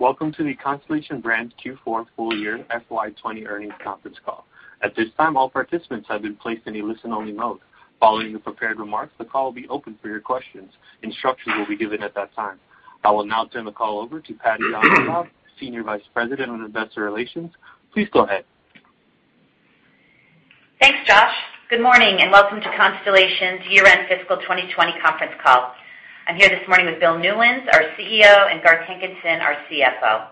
Welcome to the Constellation Brands Q4 full year FY 2020 earnings conference call. At this time, all participants have been placed in a listen-only mode. Following the prepared remarks, the call will be open for your questions. Instructions will be given at that time. I will now turn the call over to Patty Yahn-Urlaub, Senior Vice President of Investor Relations. Please go ahead. Thanks, Josh. Good morning, welcome to Constellation's year-end fiscal 2020 conference call. I'm here this morning with Bill Newlands, our CEO, and Garth Hankinson, our CFO.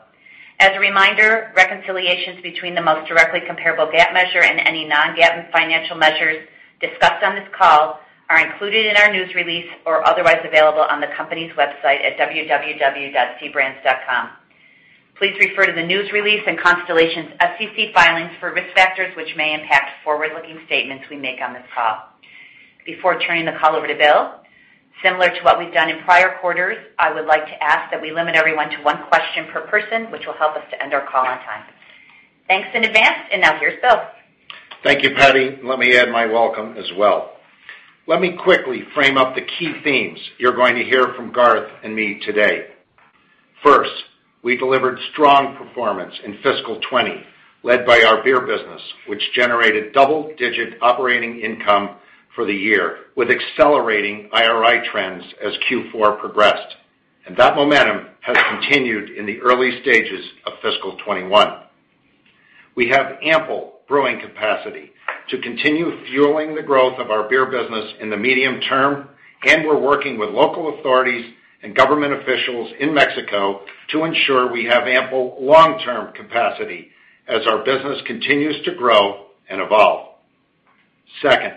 As a reminder, reconciliations between the most directly comparable GAAP measure and any non-GAAP financial measures discussed on this call are included in our news release or otherwise available on the company's website at www.cbrands.com. Please refer to the news release and Constellation's SEC filings for risk factors which may impact forward-looking statements we make on this call. Before turning the call over to Bill, similar to what we've done in prior quarters, I would like to ask that we limit everyone to one question per person, which will help us to end our call on time. Thanks in advance, now here's Bill. Thank you, Patty. Let me add my welcome as well. Let me quickly frame up the key themes you're going to hear from Garth and me today. First, we delivered strong performance in fiscal 2020, led by our beer business, which generated double-digit operating income for the year, with accelerating IRI trends as Q4 progressed. That momentum has continued in the early stages of fiscal 2021. We have ample brewing capacity to continue fueling the growth of our beer business in the medium term, and we're working with local authorities and government officials in Mexico to ensure we have ample long-term capacity as our business continues to grow and evolve. Second,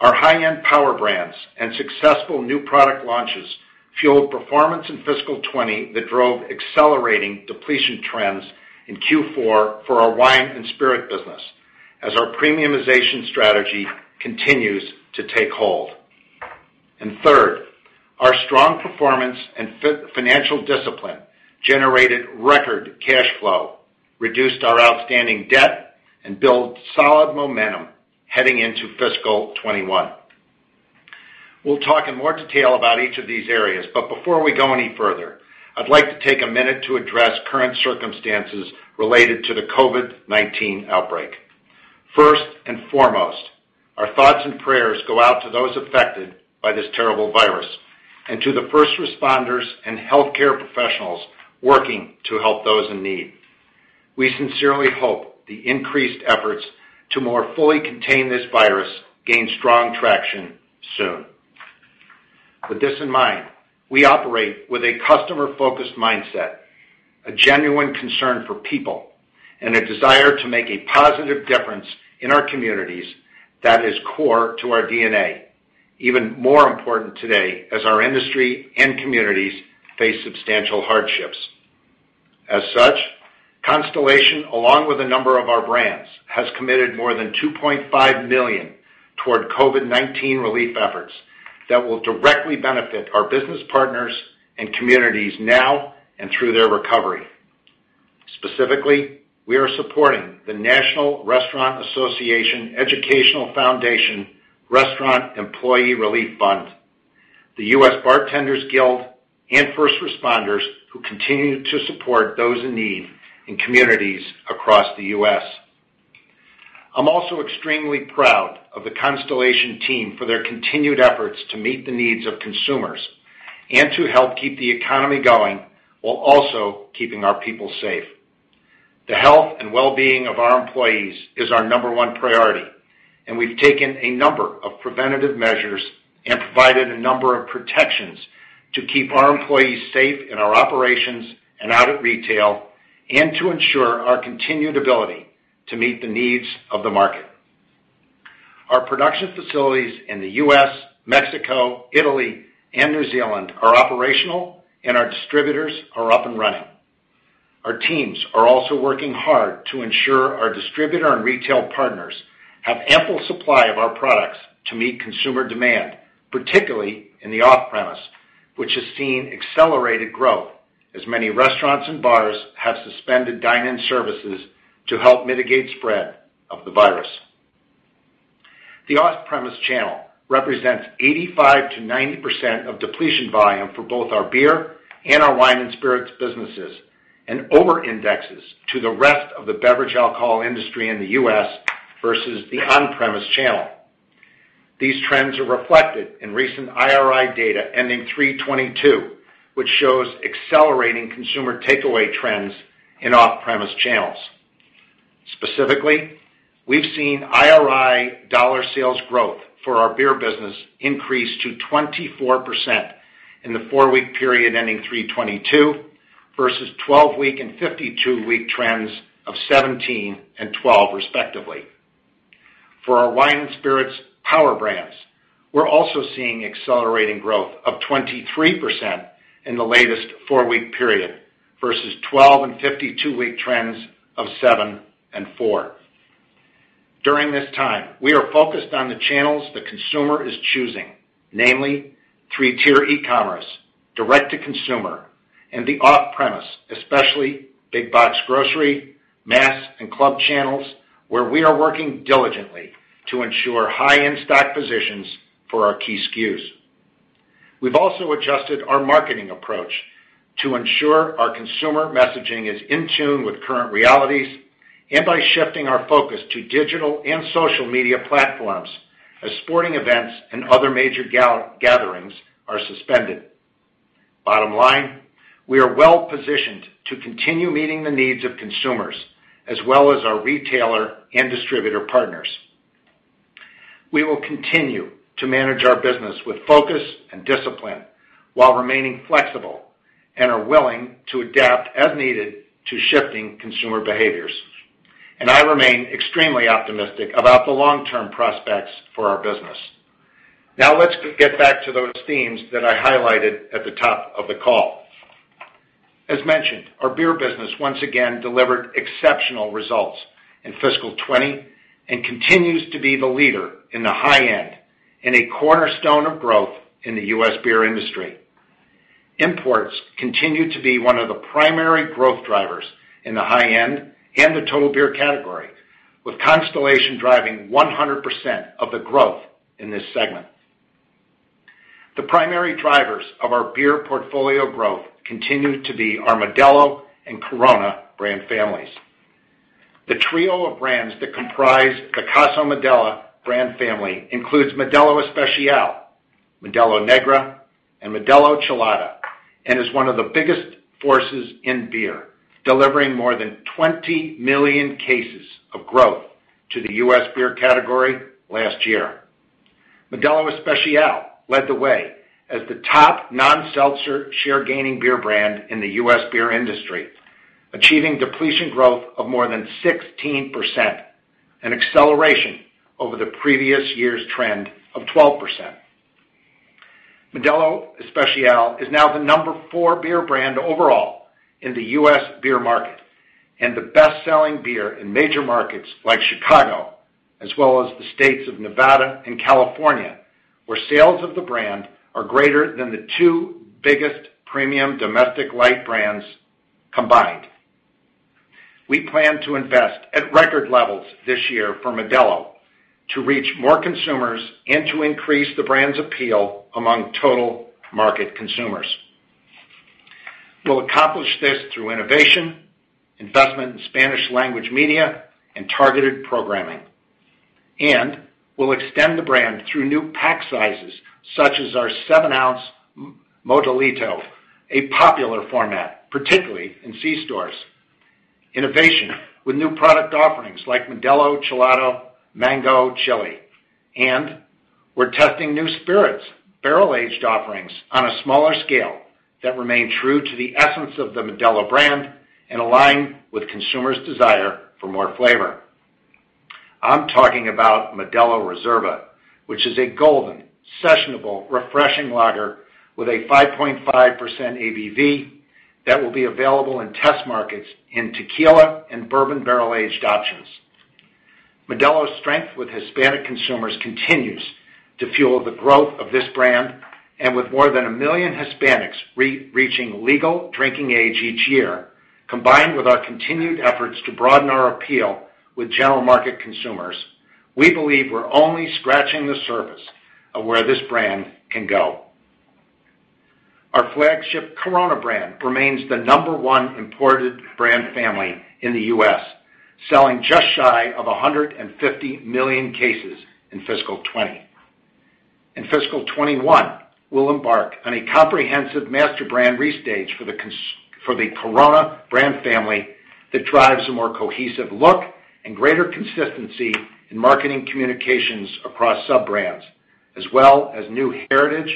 our high-end power brands and successful new product launches fueled performance in fiscal 2020 that drove accelerating depletion trends in Q4 for our wine and spirit business, as our premiumization strategy continues to take hold. Third, our strong performance and financial discipline generated record cash flow, reduced our outstanding debt, and built solid momentum heading into fiscal 2021. We'll talk in more detail about each of these areas, but before we go any further, I'd like to take a minute to address current circumstances related to the COVID-19 outbreak. First and foremost, our thoughts and prayers go out to those affected by this terrible virus, and to the first responders and healthcare professionals working to help those in need. We sincerely hope the increased efforts to more fully contain this virus gain strong traction soon. With this in mind, we operate with a customer-focused mindset, a genuine concern for people, and a desire to make a positive difference in our communities that is core to our DNA. Even more important today as our industry and communities face substantial hardships. As such, Constellation, along with a number of our brands, has committed more than $2.5 million toward COVID-19 relief efforts that will directly benefit our business partners and communities now and through their recovery. Specifically, we are supporting the National Restaurant Association Educational Foundation Restaurant Employee Relief Fund, the United States Bartenders' Guild, and first responders who continue to support those in need in communities across the U.S. I'm also extremely proud of the Constellation team for their continued efforts to meet the needs of consumers and to help keep the economy going while also keeping our people safe. The health and wellbeing of our employees is our number one priority, and we've taken a number of preventative measures and provided a number of protections to keep our employees safe in our operations and out at retail, and to ensure our continued ability to meet the needs of the market. Our production facilities in the U.S., Mexico, Italy, and New Zealand are operational, and our distributors are up and running. Our teams are also working hard to ensure our distributor and retail partners have ample supply of our products to meet consumer demand, particularly in the off-premise, which has seen accelerated growth as many restaurants and bars have suspended dine-in services to help mitigate spread of the virus. The off-premise channel represents 85%-90% of depletion volume for both our beer and our wine and spirits businesses and over-indexes to the rest of the beverage alcohol industry in the U.S. versus the on-premise channel. These trends are reflected in recent IRI data ending March 22, which shows accelerating consumer takeaway trends in off-premise channels. Specifically, we've seen IRI dollar sales growth for our beer business increase to 24% in the four-week period ending March 22 versus 12-week and 52-week trends of 17% and 12%, respectively. For our wine and spirits power brands, we're also seeing accelerating growth of 23% in the latest four-week period versus 12 and 52-week trends of 7% and 4%. During this time, we are focused on the channels the consumer is choosing, namely 3-tier e-commerce, direct-to-consumer, and the off-premise, especially big box grocery, mass, and club channels, where we are working diligently to ensure high in-stock positions for our key SKUs. We've also adjusted our marketing approach to ensure our consumer messaging is in tune with current realities and by shifting our focus to digital and social media platforms as sporting events and other major gatherings are suspended. Bottom line, we are well-positioned to continue meeting the needs of consumers, as well as our retailer and distributor partners. We will continue to manage our business with focus and discipline while remaining flexible and are willing to adapt as needed to shifting consumer behaviors. I remain extremely optimistic about the long-term prospects for our business. Now let's get back to those themes that I highlighted at the top of the call. As mentioned, our beer business once again delivered exceptional results in fiscal 2020 and continues to be the leader in the high end, and a cornerstone of growth in the US beer industry. Imports continue to be one of the primary growth drivers in the high end and the total beer category, with Constellation driving 100% of the growth in this segment. The primary drivers of our beer portfolio growth continue to be our Modelo and Corona brand families. The trio of brands that comprise the Casa Modelo brand family includes Modelo Especial, Modelo Negra, and Modelo Chelada, and is one of the biggest forces in beer, delivering more than 20 million cases of growth to the US beer category last year. Modelo Especial led the way as the top non-seltzer share-gaining beer brand in the US beer industry, achieving depletion growth of more than 16%, an acceleration over the previous year's trend of 12%. Modelo Especial is now the number four beer brand overall in the US beer market, and the best-selling beer in major markets like Chicago, as well as the states of Nevada and California, where sales of the brand are greater than the two biggest premium domestic light brands combined. We plan to invest at record levels this year for Modelo to reach more consumers and to increase the brand's appeal among total market consumers. We'll accomplish this through innovation, investment in Spanish language media, and targeted programming. We'll extend the brand through new pack sizes, such as our 7-ounce Modelito, a popular format, particularly in C-stores. Innovation with new product offerings like Modelo Chelada Mango y Chile. We're testing new spirits, barrel-aged offerings on a smaller scale that remain true to the essence of the Modelo brand and align with consumers' desire for more flavor. I'm talking about Modelo Reserva, which is a golden, sessionable, refreshing lager with a 5.5% ABV that will be available in test markets in tequila and bourbon barrel-aged options. Modelo's strength with Hispanic consumers continues to fuel the growth of this brand. With more than a million Hispanics reaching legal drinking age each year, combined with our continued efforts to broaden our appeal with general market consumers, we believe we're only scratching the surface of where this brand can go. Our flagship Corona brand remains the number one imported brand family in the U.S., selling just shy of 150 million cases in fiscal 2020. In fiscal 2021, we'll embark on a comprehensive master brand restage for the Corona brand family that drives a more cohesive look and greater consistency in marketing communications across sub-brands, as well as new heritage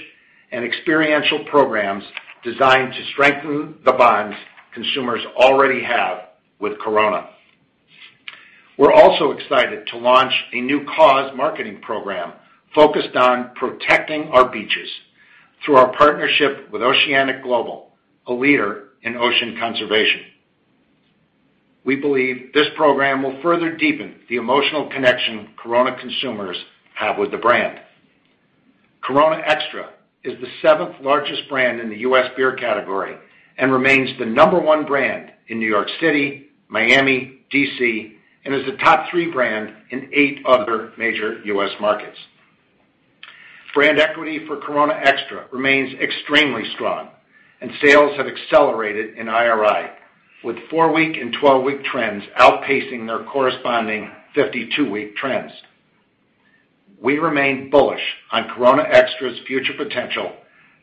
and experiential programs designed to strengthen the bonds consumers already have with Corona. We're also excited to launch a new cause marketing program focused on protecting our beaches through our partnership with Oceanic Global, a leader in ocean conservation. We believe this program will further deepen the emotional connection Corona consumers have with the brand. Corona Extra is the seventh largest brand in the US beer category and remains the number one brand in New York City, Miami, D.C., and is a top three brand in eight other major US markets. Brand equity for Corona Extra remains extremely strong and sales have accelerated in IRI, with four-week and 12-week trends outpacing their corresponding 52-week trends. We remain bullish on Corona Extra's future potential,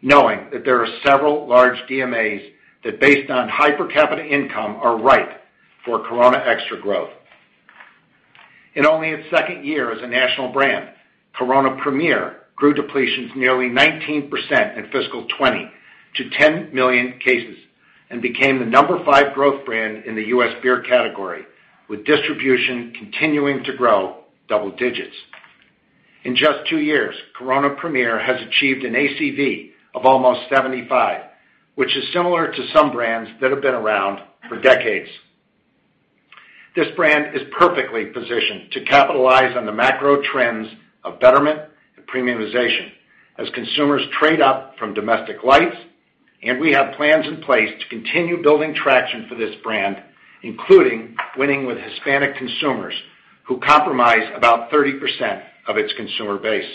knowing that there are several large DMAs that, based on per capita income, are ripe for Corona Extra growth. In only its second year as a national brand, Corona Premier grew depletions nearly 19% in fiscal 2020 to 10 million cases and became the number five growth brand in the US beer category, with distribution continuing to grow double digits. In just two years, Corona Premier has achieved an ACV of almost 75, which is similar to some brands that have been around for decades. This brand is perfectly positioned to capitalize on the macro trends of betterment and premiumization as consumers trade up from domestic lights. We have plans in place to continue building traction for this brand, including winning with Hispanic consumers, who comprise about 30% of its consumer base.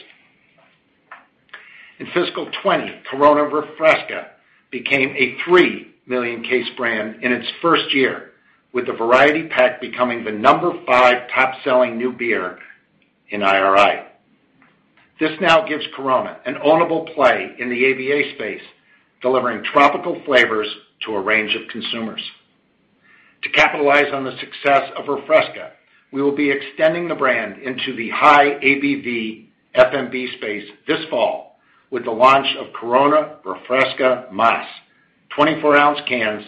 In fiscal 2020, Corona Refresca became a 3 million case brand in its first year, with the variety pack becoming the number five top-selling new beer in IRI. This now gives Corona an ownable play in the FMB space, delivering tropical flavors to a range of consumers. To capitalize on the success of Refresca, we will be extending the brand into the high ABV FMB space this fall with the launch of Corona Refresca MÁS 24-ounce cans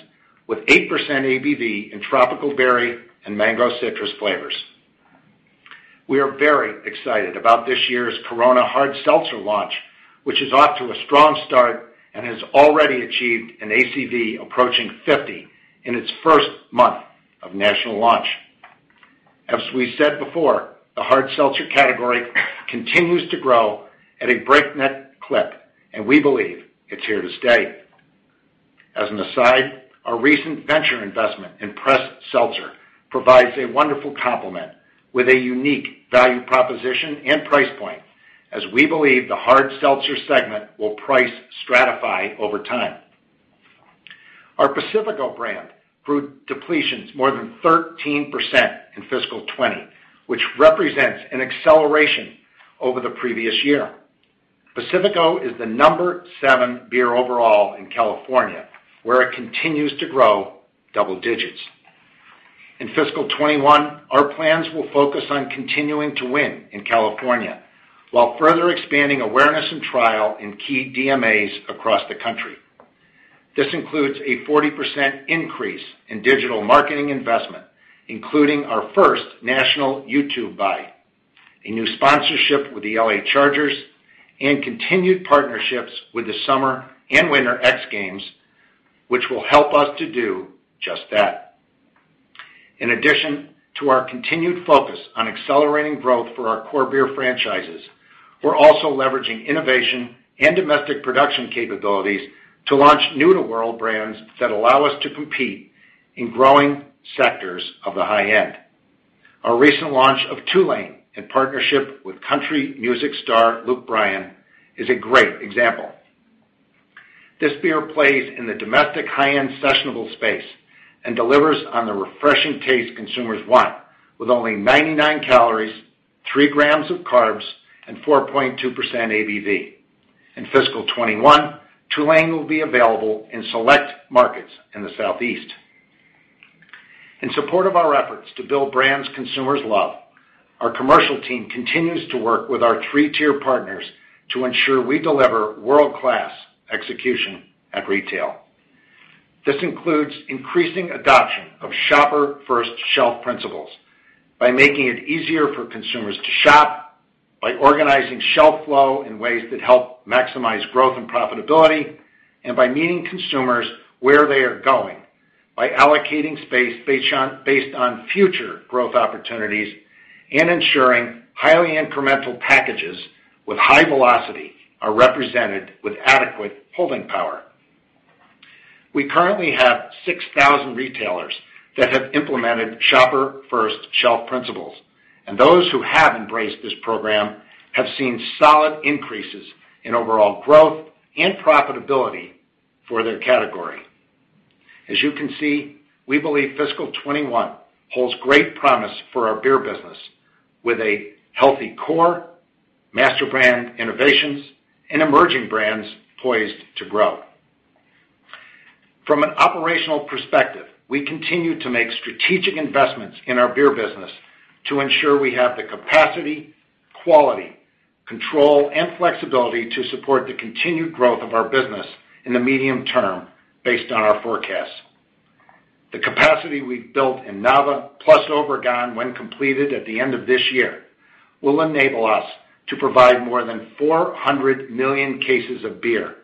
with 8% ABV in tropical berry and mango citrus flavors. We are very excited about this year's Corona Hard Seltzer launch, which is off to a strong start and has already achieved an ACV approaching 50 in its first month of national launch. We believe the hard seltzer category continues to grow at a breakneck clip, and we believe it's here to stay. As an aside, our recent venture investment in PRESS Seltzer provides a wonderful complement with a unique value proposition and price point, as we believe the hard seltzer segment will price stratify over time. Our Pacifico brand grew depletions more than 13% in fiscal 2020, which represents an acceleration over the previous year. Pacifico is the number seven beer overall in California, where it continues to grow double digits. In FY 2021, our plans will focus on continuing to win in California while further expanding awareness and trial in key DMAs across the country. This includes a 40% increase in digital marketing investment, including our first national YouTube buy, a new sponsorship with the L.A. Chargers, and continued partnerships with the Summer and Winter X Games, which will help us to do just that. In addition to our continued focus on accelerating growth for our core beer franchises, we're also leveraging innovation and domestic production capabilities to launch new-to-world brands that allow us to compete in growing sectors of the high end. Our recent launch of Two Lane in partnership with country music star Luke Bryan is a great example. This beer plays in the domestic high-end sessionable space and delivers on the refreshing taste consumers want with only 99 calories, three grams of carbs, and 4.2% ABV. In fiscal 2021, Two Lane will be available in select markets in the Southeast. In support of our efforts to build brands consumers love, our commercial team continues to work with our three-tier partners to ensure we deliver world-class execution at retail. This includes increasing adoption of shopper-first shelf principles by making it easier for consumers to shop, by organizing shelf flow in ways that help maximize growth and profitability, and by meeting consumers where they are going, by allocating space based on future growth opportunities, and ensuring highly incremental packages with high velocity are represented with adequate holding power. We currently have 6,000 retailers that have implemented shopper-first shelf principles. Those who have embraced this program have seen solid increases in overall growth and profitability for their category. As you can see, we believe fiscal 2021 holds great promise for our beer business, with a healthy core, master brand innovations, and emerging brands poised to grow. From an operational perspective, we continue to make strategic investments in our beer business to ensure we have the capacity, quality, control, and flexibility to support the continued growth of our business in the medium term based on our forecasts. The capacity we've built in Nava, plus Obregón, when completed at the end of this year, will enable us to provide more than 400 million cases of beer,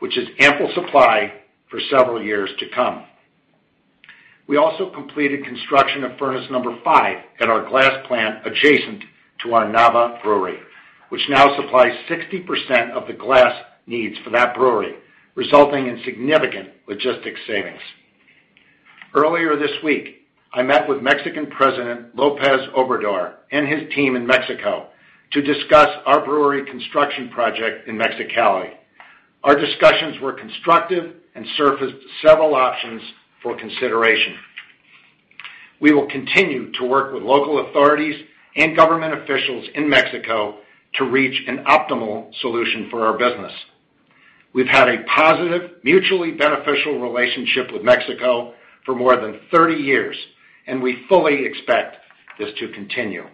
which is ample supply for several years to come. We also completed construction of furnace number five at our glass plant adjacent to our Nava brewery, which now supplies 60% of the glass needs for that brewery, resulting in significant logistics savings. Earlier this week, I met with Mexican President López Obrador and his team in Mexico to discuss our brewery construction project in Mexicali. Our discussions were constructive and surfaced several options for consideration. We will continue to work with local authorities and government officials in Mexico to reach an optimal solution for our business. We've had a positive, mutually beneficial relationship with Mexico for more than 30 years, and we fully expect this to continue.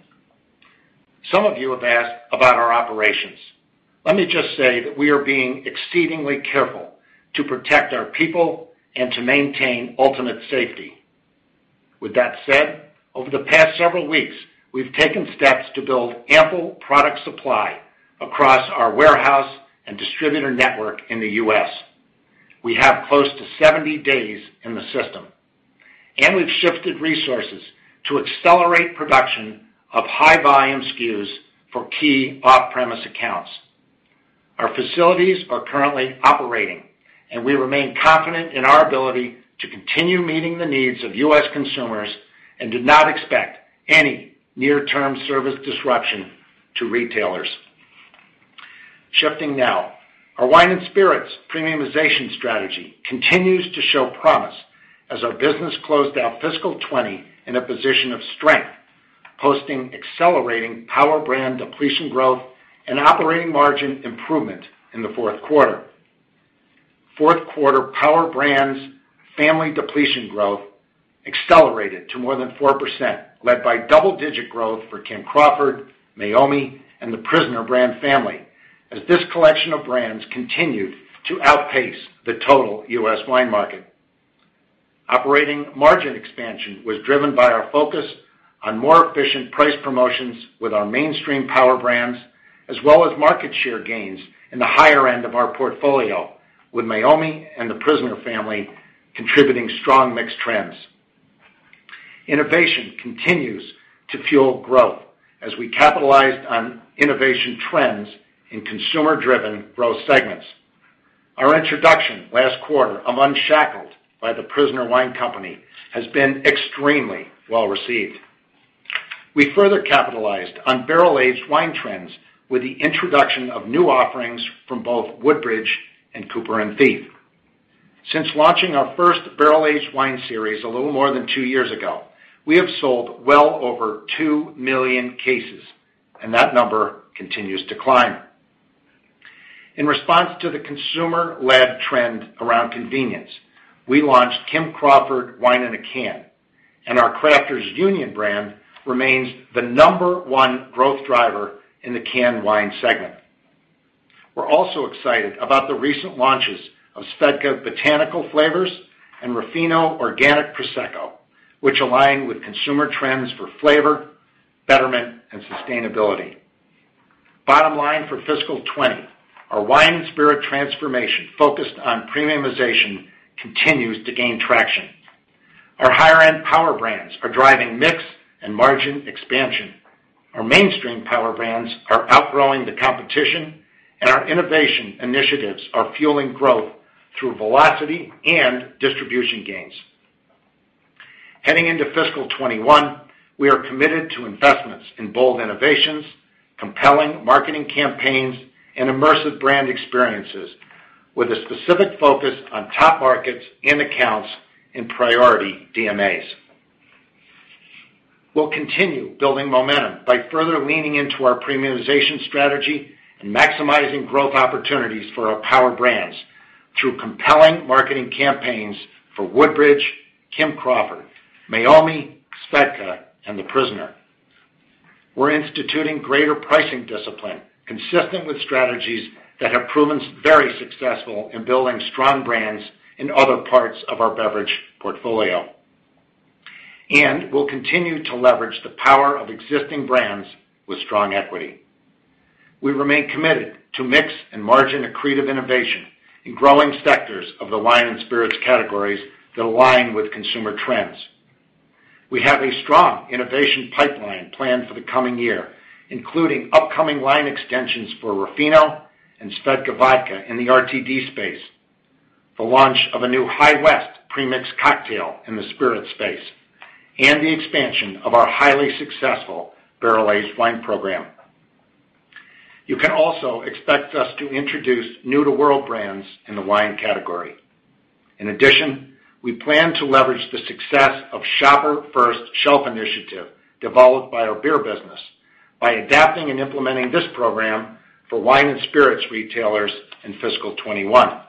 Some of you have asked about our operations. Let me just say that we are being exceedingly careful to protect our people and to maintain ultimate safety. With that said, over the past several weeks, we've taken steps to build ample product supply across our warehouse and distributor network in the U.S. We have close to 70 days in the system. We've shifted resources to accelerate production of high-volume SKUs for key off-premise accounts. Our facilities are currently operating, and we remain confident in our ability to continue meeting the needs of US consumers, and do not expect any near-term service disruption to retailers. Shifting now, our wine and spirits premiumization strategy continues to show promise as our business closed out fiscal 2020 in a position of strength, posting accelerating power brand depletion growth and operating margin improvement in the fourth quarter. Fourth quarter power brands' family depletion growth accelerated to more than 4%, led by double-digit growth for Kim Crawford, Meiomi, and The Prisoner brand family, as this collection of brands continued to outpace the total US wine market. Operating margin expansion was driven by our focus on more efficient price promotions with our mainstream power brands, as well as market share gains in the higher end of our portfolio, with Meiomi and The Prisoner family contributing strong mixed trends. Innovation continues to fuel growth as we capitalized on innovation trends in consumer-driven growth segments. Our introduction last quarter of Unshackled by The Prisoner Wine Company has been extremely well-received. We further capitalized on barrel-aged wine trends with the introduction of new offerings from both Woodbridge and Cooper & Thief. Since launching our first barrel-aged wine series a little more than two years ago, we have sold well over 2 million cases, and that number continues to climb. In response to the consumer-led trend around convenience, we launched Kim Crawford wine in a can, and our Crafters Union brand remains the number one growth driver in the canned wine segment. We're also excited about the recent launches of SVEDKA botanical flavors and Ruffino organic Prosecco, which align with consumer trends for flavor, betterment, and sustainability. Bottom line for fiscal 2020, our wine and spirit transformation focused on premiumization continues to gain traction. Our higher-end power brands are driving mix and margin expansion. Our mainstream power brands are outgrowing the competition, and our innovation initiatives are fueling growth through velocity and distribution gains. Heading into fiscal 2021, we are committed to investments in bold innovations, compelling marketing campaigns, and immersive brand experiences, with a specific focus on top markets and accounts in priority DMAs. We'll continue building momentum by further leaning into our premiumization strategy and maximizing growth opportunities for our power brands through compelling marketing campaigns for Woodbridge, Kim Crawford, Meiomi, SVEDKA, and The Prisoner. We're instituting greater pricing discipline consistent with strategies that have proven very successful in building strong brands in other parts of our beverage portfolio. We'll continue to leverage the power of existing brands with strong equity. We remain committed to mix and margin accretive innovation in growing sectors of the wine and spirits categories that align with consumer trends. We have a strong innovation pipeline planned for the coming year, including upcoming line extensions for Ruffino and SVEDKA Vodka in the RTD space, the launch of a new High West pre-mixed cocktail in the spirit space, and the expansion of our highly successful barrel-aged wine program. You can also expect us to introduce new-to-world brands in the wine category. We plan to leverage the success of Shopper First Shelf initiative developed by our beer business by adapting and implementing this program for wine and spirits retailers in fiscal 2021.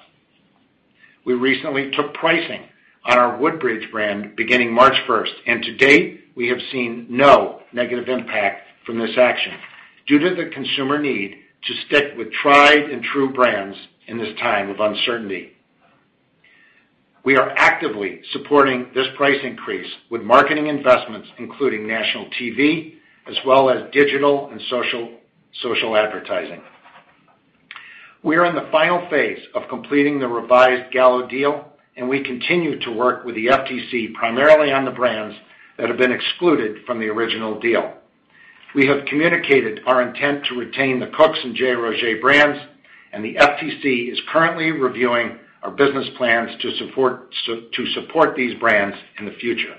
We recently took pricing on our Woodbridge brand beginning March 1st, and to date, we have seen no negative impact from this action due to the consumer need to stick with tried and true brands in this time of uncertainty. We are actively supporting this price increase with marketing investments, including national TV, as well as digital and social advertising. We are in the final phase of completing the revised Gallo deal, and we continue to work with the FTC primarily on the brands that have been excluded from the original deal. We have communicated our intent to retain the Cook's and J. Roget brands, and the FTC is currently reviewing our business plans to support these brands in the future.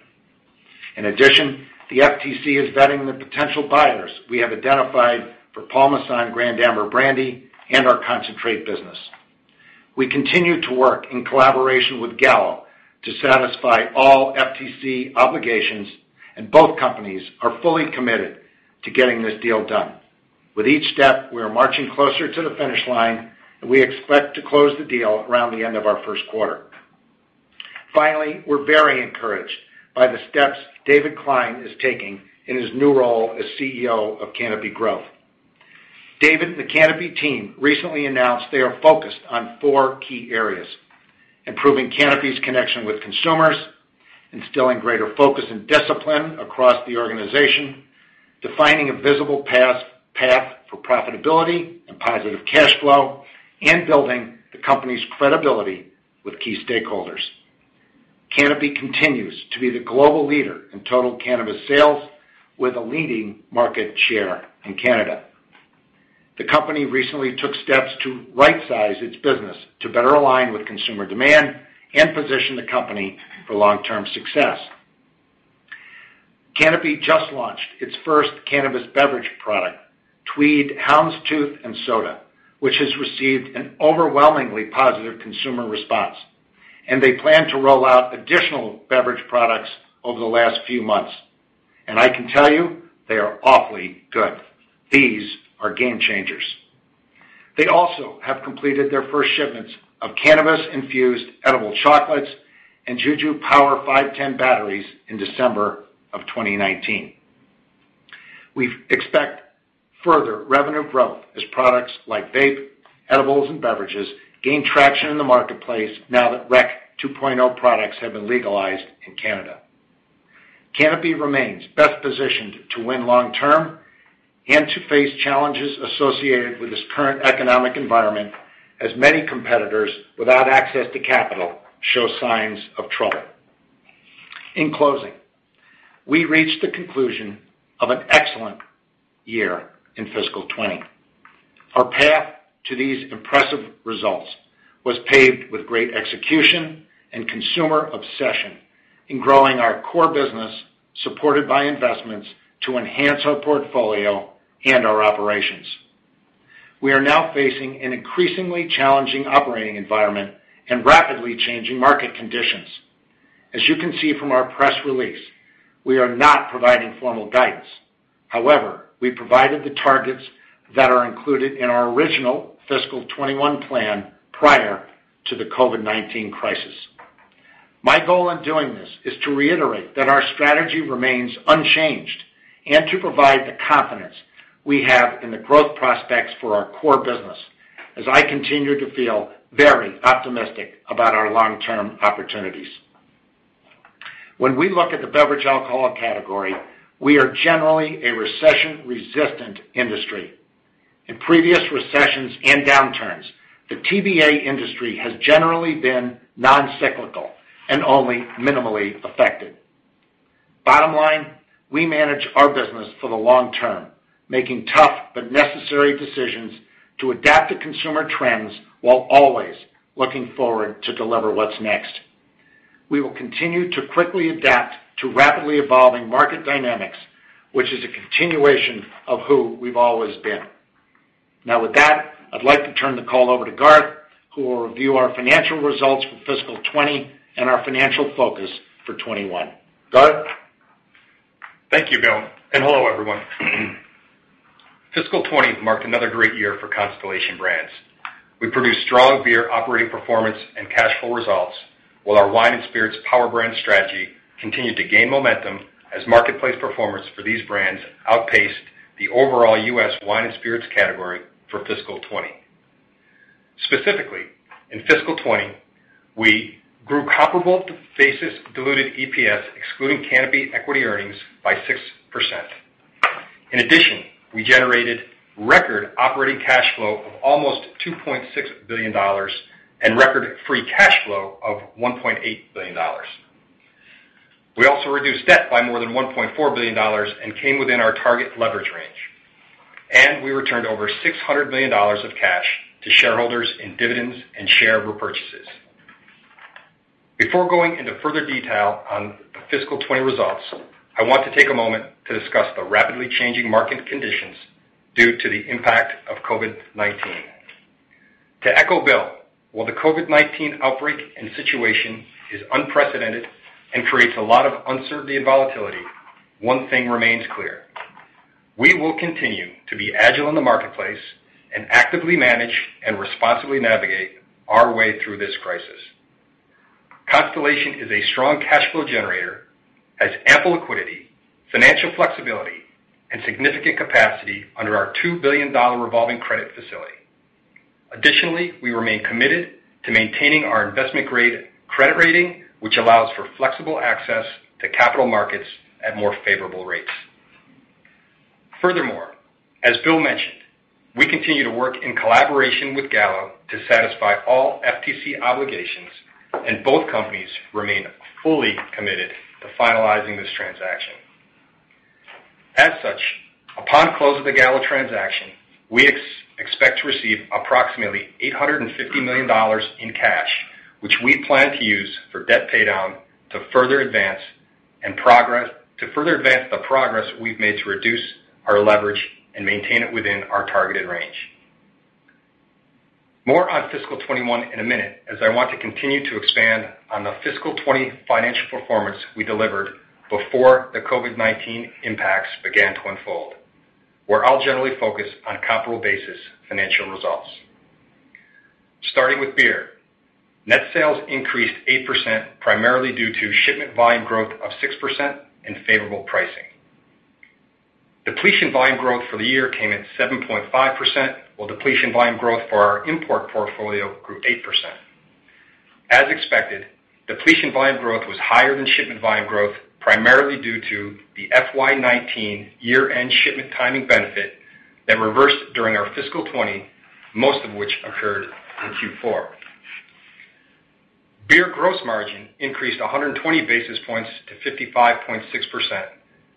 In addition, the FTC is vetting the potential buyers we have identified for Paul Masson Grande Amber Brandy and our concentrate business. We continue to work in collaboration with Gallo to satisfy all FTC obligations, and both companies are fully committed to getting this deal done. With each step, we are marching closer to the finish line, and we expect to close the deal around the end of our first quarter. Finally, we're very encouraged by the steps David Klein is taking in his new role as CEO of Canopy Growth. David and the Canopy team recently announced they are focused on four key areas: improving Canopy's connection with consumers, instilling greater focus and discipline across the organization, defining a visible path for profitability and positive cash flow and building the company's credibility with key stakeholders. Canopy continues to be the global leader in total cannabis sales with a leading market share in Canada. The company recently took steps to right-size its business to better align with consumer demand and position the company for long-term success. Canopy Growth just launched its first cannabis beverage product, Tweed Houndstooth & Soda, which has received an overwhelmingly positive consumer response. They plan to roll out additional beverage products over the last few months. I can tell you they are awfully good. These are game changers. They also have completed their first shipments of cannabis-infused edible chocolates and JUJU Power 510 batteries in December of 2019. We expect further revenue growth as products like vape, edibles, and beverages gain traction in the marketplace now that Cannabis 2.0 products have been legalized in Canada. Canopy Growth remains best positioned to win long-term and to face challenges associated with this current economic environment as many competitors without access to capital show signs of trouble. In closing, we reached the conclusion of an excellent year in fiscal 2020. Our path to these impressive results was paved with great execution and consumer obsession in growing our core business, supported by investments to enhance our portfolio and our operations. We are now facing an increasingly challenging operating environment and rapidly changing market conditions. As you can see from our press release, we are not providing formal guidance. We provided the targets that are included in our original fiscal 2021 plan prior to the COVID-19 crisis. My goal in doing this is to reiterate that our strategy remains unchanged and to provide the confidence we have in the growth prospects for our core business, as I continue to feel very optimistic about our long-term opportunities. We look at the beverage alcoholic category, we are generally a recession-resistant industry. In previous recessions and downturns, the TBA industry has generally been non-cyclical and only minimally affected. Bottom line, we manage our business for the long term, making tough but necessary decisions to adapt to consumer trends while always looking forward to deliver what's next. We will continue to quickly adapt to rapidly evolving market dynamics, which is a continuation of who we've always been. With that, I'd like to turn the call over to Garth, who will review our financial results for fiscal 2020 and our financial focus for 2021. Garth? Thank you, Bill, and hello, everyone. Fiscal 2020 marked another great year for Constellation Brands. We produced strong beer operating performance and cash flow results, while our wine and spirits power brand strategy continued to gain momentum as marketplace performance for these brands outpaced the overall US wine and spirits category for fiscal 2020. Specifically, in fiscal 2020, we grew comparable basis diluted EPS, excluding Canopy equity earnings, by 6%. In addition, we generated record operating cash flow of almost $2.6 billion and record free cash flow of $1.8 billion. We also reduced debt by more than $1.4 billion and came within our target leverage range. We returned over $600 million of cash to shareholders in dividends and share repurchases. Before going into further detail on the fiscal 2020 results, I want to take a moment to discuss the rapidly changing market conditions due to the impact of COVID-19. To echo Bill, while the COVID-19 outbreak and situation is unprecedented and creates a lot of uncertainty and volatility, one thing remains clear. We will continue to be agile in the marketplace and actively manage and responsibly navigate our way through this crisis. Constellation is a strong cash flow generator, has ample liquidity, financial flexibility, and significant capacity under our $2 billion revolving credit facility. We remain committed to maintaining our investment-grade credit rating, which allows for flexible access to capital markets at more favorable rates. As Bill mentioned, we continue to work in collaboration with Gallo to satisfy all FTC obligations, and both companies remain fully committed to finalizing this transaction. As such, upon close of the Gallo transaction, we expect to receive approximately $850 million in cash, which we plan to use for debt paydown to further advance the progress we've made to reduce our leverage and maintain it within our targeted range. More on fiscal 2021 in a minute, as I want to continue to expand on the fiscal 2020 financial performance we delivered before the COVID-19 impacts began to unfold, where I'll generally focus on comparable basis financial results. Starting with beer. Net sales increased 8% primarily due to shipment volume growth of 6% and favorable pricing. Depletion volume growth for the year came in at 7.5%, while depletion volume growth for our import portfolio grew 8%. As expected, depletion volume growth was higher than shipment volume growth, primarily due to the FY 2019 year-end shipment timing benefit that reversed during our fiscal 2020, most of which occurred in Q4. Beer gross margin increased 120 basis points to 55.6%,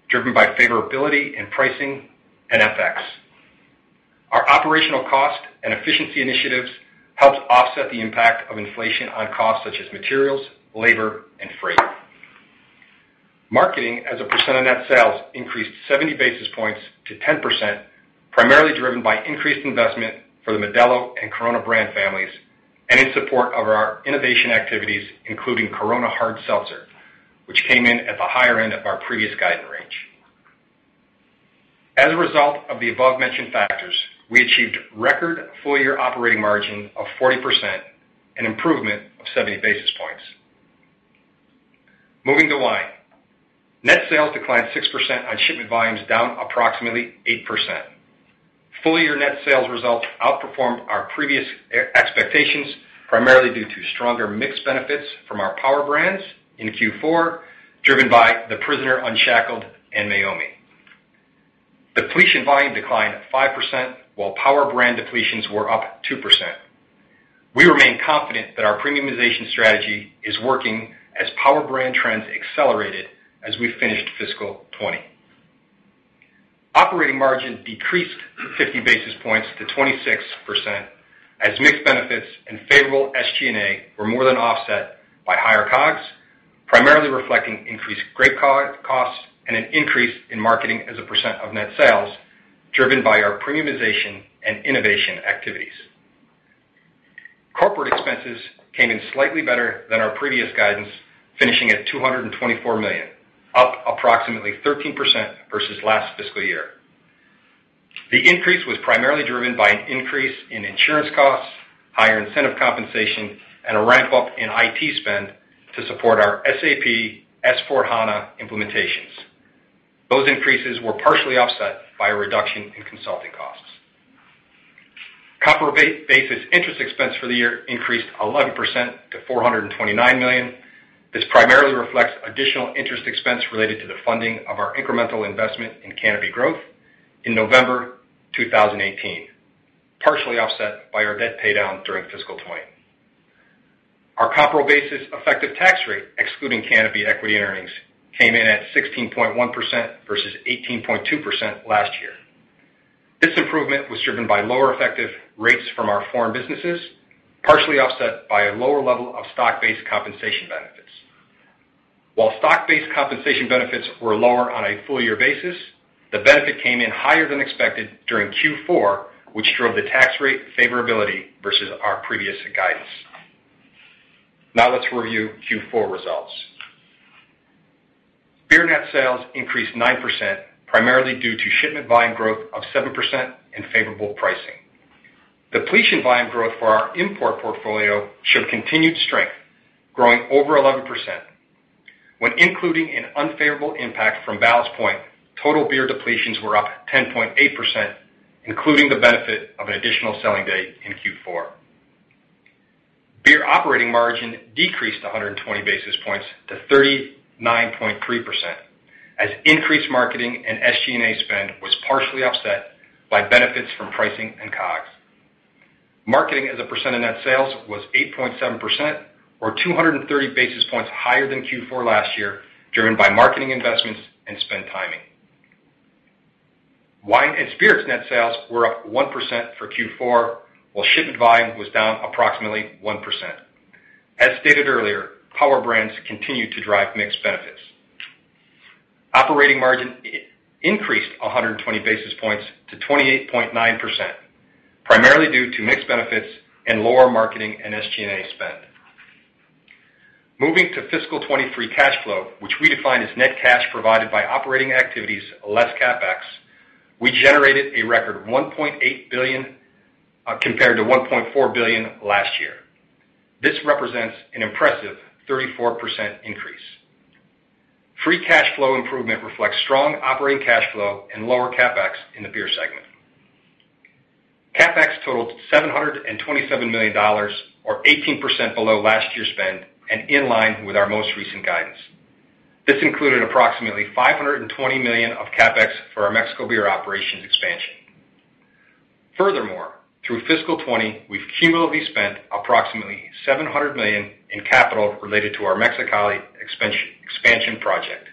driven by favorability in pricing and FX. Our operational cost and efficiency initiatives helped offset the impact of inflation on costs such as materials, labor, and freight. Marketing as a percent of net sales increased 70 basis points to 10%, primarily driven by increased investment for the Modelo and Corona brand families, and in support of our innovation activities, including Corona Hard Seltzer, which came in at the higher end of our previous guidance range. As a result of the above-mentioned factors, we achieved record full-year operating margin of 40%, an improvement of 70 basis points. Moving to wine. Net sales declined 6% on shipment volumes down approximately 8%. Full-year net sales results outperformed our previous expectations, primarily due to stronger mixed benefits from our power brands in Q4, driven by The Prisoner Unshackled and Meiomi. Depletion volume declined 5%, while power brand depletions were up 2%. We remain confident that our premiumization strategy is working as power brand trends accelerated as we finished fiscal 2020. Operating margin decreased 50 basis points to 26% as mixed benefits and favorable SG&A were more than offset by higher COGS, primarily reflecting increased grape costs and an increase in marketing as a percent of net sales, driven by our premiumization and innovation activities. Corporate expenses came in slightly better than our previous guidance, finishing at $224 million, up approximately 13% versus last fiscal year. The increase was primarily driven by an increase in insurance costs, higher incentive compensation, and a ramp-up in IT spend to support our SAP S/4HANA implementations. Those increases were partially offset by a reduction in consulting costs. Comparable basis interest expense for the year increased 11% to $429 million. This primarily reflects additional interest expense related to the funding of our incremental investment in Canopy Growth in November 2018, partially offset by our debt paydown during fiscal 2020. Our comparable basis effective tax rate, excluding Canopy equity earnings, came in at 16.1% versus 18.2% last year. This improvement was driven by lower effective rates from our foreign businesses, partially offset by a lower level of stock-based compensation benefits. While stock-based compensation benefits were lower on a full-year basis, the benefit came in higher than expected during Q4, which drove the tax rate favorability versus our previous guidance. Let's review Q4 results. Beer net sales increased 9%, primarily due to shipment volume growth of 7% and favorable pricing. Depletion volume growth for our import portfolio showed continued strength, growing over 11%. When including an unfavorable impact from Ballast Point, total beer depletions were up 10.8%, including the benefit of an additional selling day in Q4. Beer operating margin decreased 120 basis points to 39.3%, as increased marketing and SG&A spend was partially offset by benefits from pricing and COGS. Marketing as a % of net sales was 8.7%, or 230 basis points higher than Q4 last year, driven by marketing investments and spend timing. Wine and spirits net sales were up 1% for Q4, while shipment volume was down approximately 1%. As stated earlier, power brands continued to drive mixed benefits. Operating margin increased 120 basis points to 28.9%, primarily due to mixed benefits and lower marketing and SG&A spend. Moving to fiscal 2023 cash flow, which we define as net cash provided by operating activities less CapEx, we generated a record $1.8 billion, compared to $1.4 billion last year. This represents an impressive 34% increase. Free cash flow improvement reflects strong operating cash flow and lower CapEx in the beer segment. CapEx totaled $727 million, or 18% below last year's spend and in line with our most recent guidance. This included approximately $520 million of CapEx for our Mexico beer operations expansion. Furthermore, through fiscal 2020, we've cumulatively spent approximately $700 million in capital related to our Mexicali expansion project.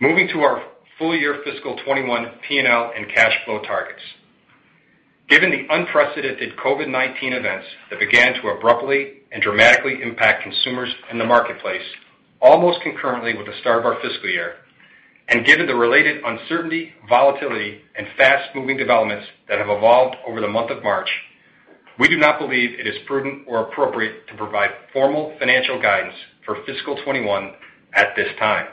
Moving to our full-year fiscal 2021 P&L and cash flow targets. Given the unprecedented COVID-19 events that began to abruptly and dramatically impact consumers in the marketplace almost concurrently with the start of our fiscal year, and given the related uncertainty, volatility, and fast-moving developments that have evolved over the month of March, we do not believe it is prudent or appropriate to provide formal financial guidance for fiscal 2021 at this time.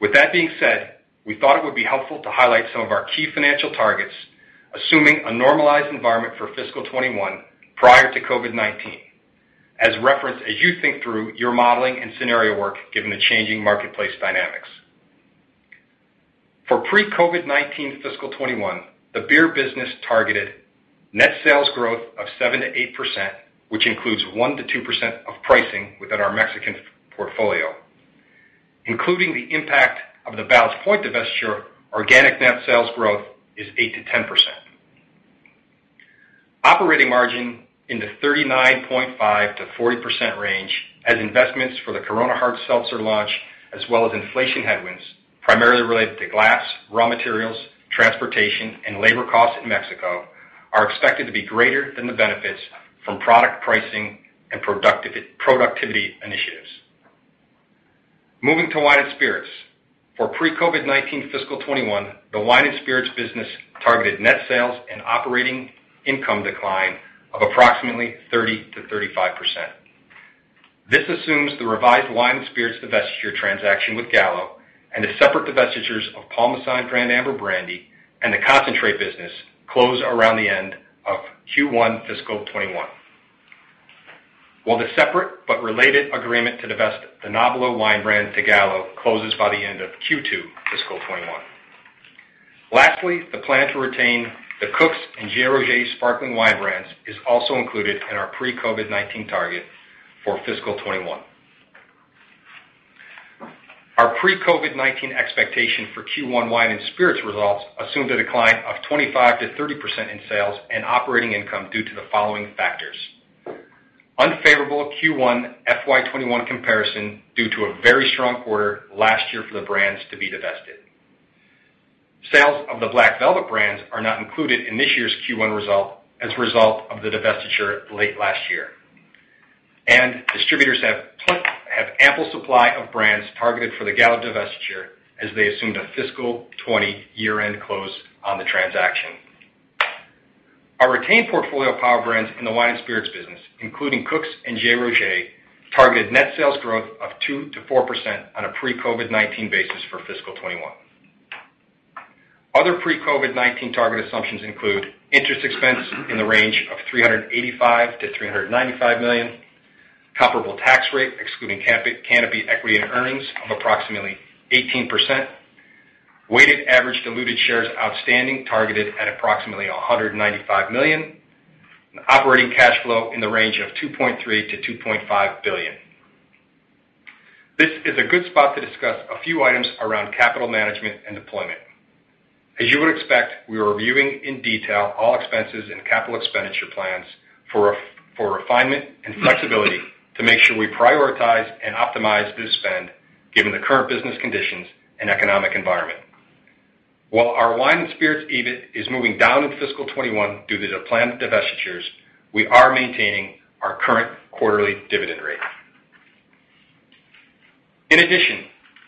With that being said, we thought it would be helpful to highlight some of our key financial targets, assuming a normalized environment for fiscal 2021 prior to COVID-19, as reference as you think through your modeling and scenario work given the changing marketplace dynamics. For pre-COVID-19 fiscal 2021, the beer business targeted net sales growth of 7%-8%, which includes 1%-2% of pricing within our Mexican portfolio including the impact of the Ballast Point divestiture, organic net sales growth is 8%-10%. Operating margin in the 39.5%-40% range as investments for the Corona Hard Seltzer launch, as well as inflation headwinds, primarily related to glass, raw materials, transportation, and labor costs in Mexico, are expected to be greater than the benefits from product pricing and productivity initiatives. Moving to wine and spirits. For pre-COVID-19 fiscal 2021, the wine and spirits business targeted net sales and operating income decline of approximately 30%-35%. This assumes the revised wine and spirits divestiture transaction with Gallo and the separate divestitures of Paul Masson and Grande Amber Brandy and the concentrate business close around the end of Q1 fiscal 2021. The separate but related agreement to divest the Nobilo Wine brand to Gallo closes by the end of Q2 fiscal 2021. Lastly, the plan to retain the Cook's and J. Roget sparkling wine brands is also included in our pre-COVID-19 target for fiscal 2021. Our pre-COVID-19 expectation for Q1 wine and spirits results assume the decline of 25%-30% in sales and operating income due to the following factors. Unfavorable Q1 FY 2021 comparison due to a very strong quarter last year for the brands to be divested. Sales of the Black Velvet brands are not included in this year's Q1 result as a result of the divestiture late last year. Distributors have ample supply of brands targeted for the Gallo divestiture as they assumed a fiscal 2020 year-end close on the transaction. Our retained portfolio of power brands in the wine and spirits business, including Cook's and J. Roget, targeted net sales growth of 2%-4% on a pre-COVID-19 basis for fiscal 2021. Other pre-COVID-19 target assumptions include interest expense in the range of $385 million-$395 million, comparable tax rate, excluding Canopy equity and earnings, of approximately 18%, weighted average diluted shares outstanding targeted at approximately 195 million, and operating cash flow in the range of $2.3 billion-$2.5 billion. This is a good spot to discuss a few items around capital management and deployment. As you would expect, we are reviewing in detail all expenses and capital expenditure plans for refinement and flexibility to make sure we prioritize and optimize this spend given the current business conditions and economic environment. While our wine and spirits EBIT is moving down in fiscal 2021 due to the planned divestitures, we are maintaining our current quarterly dividend rate.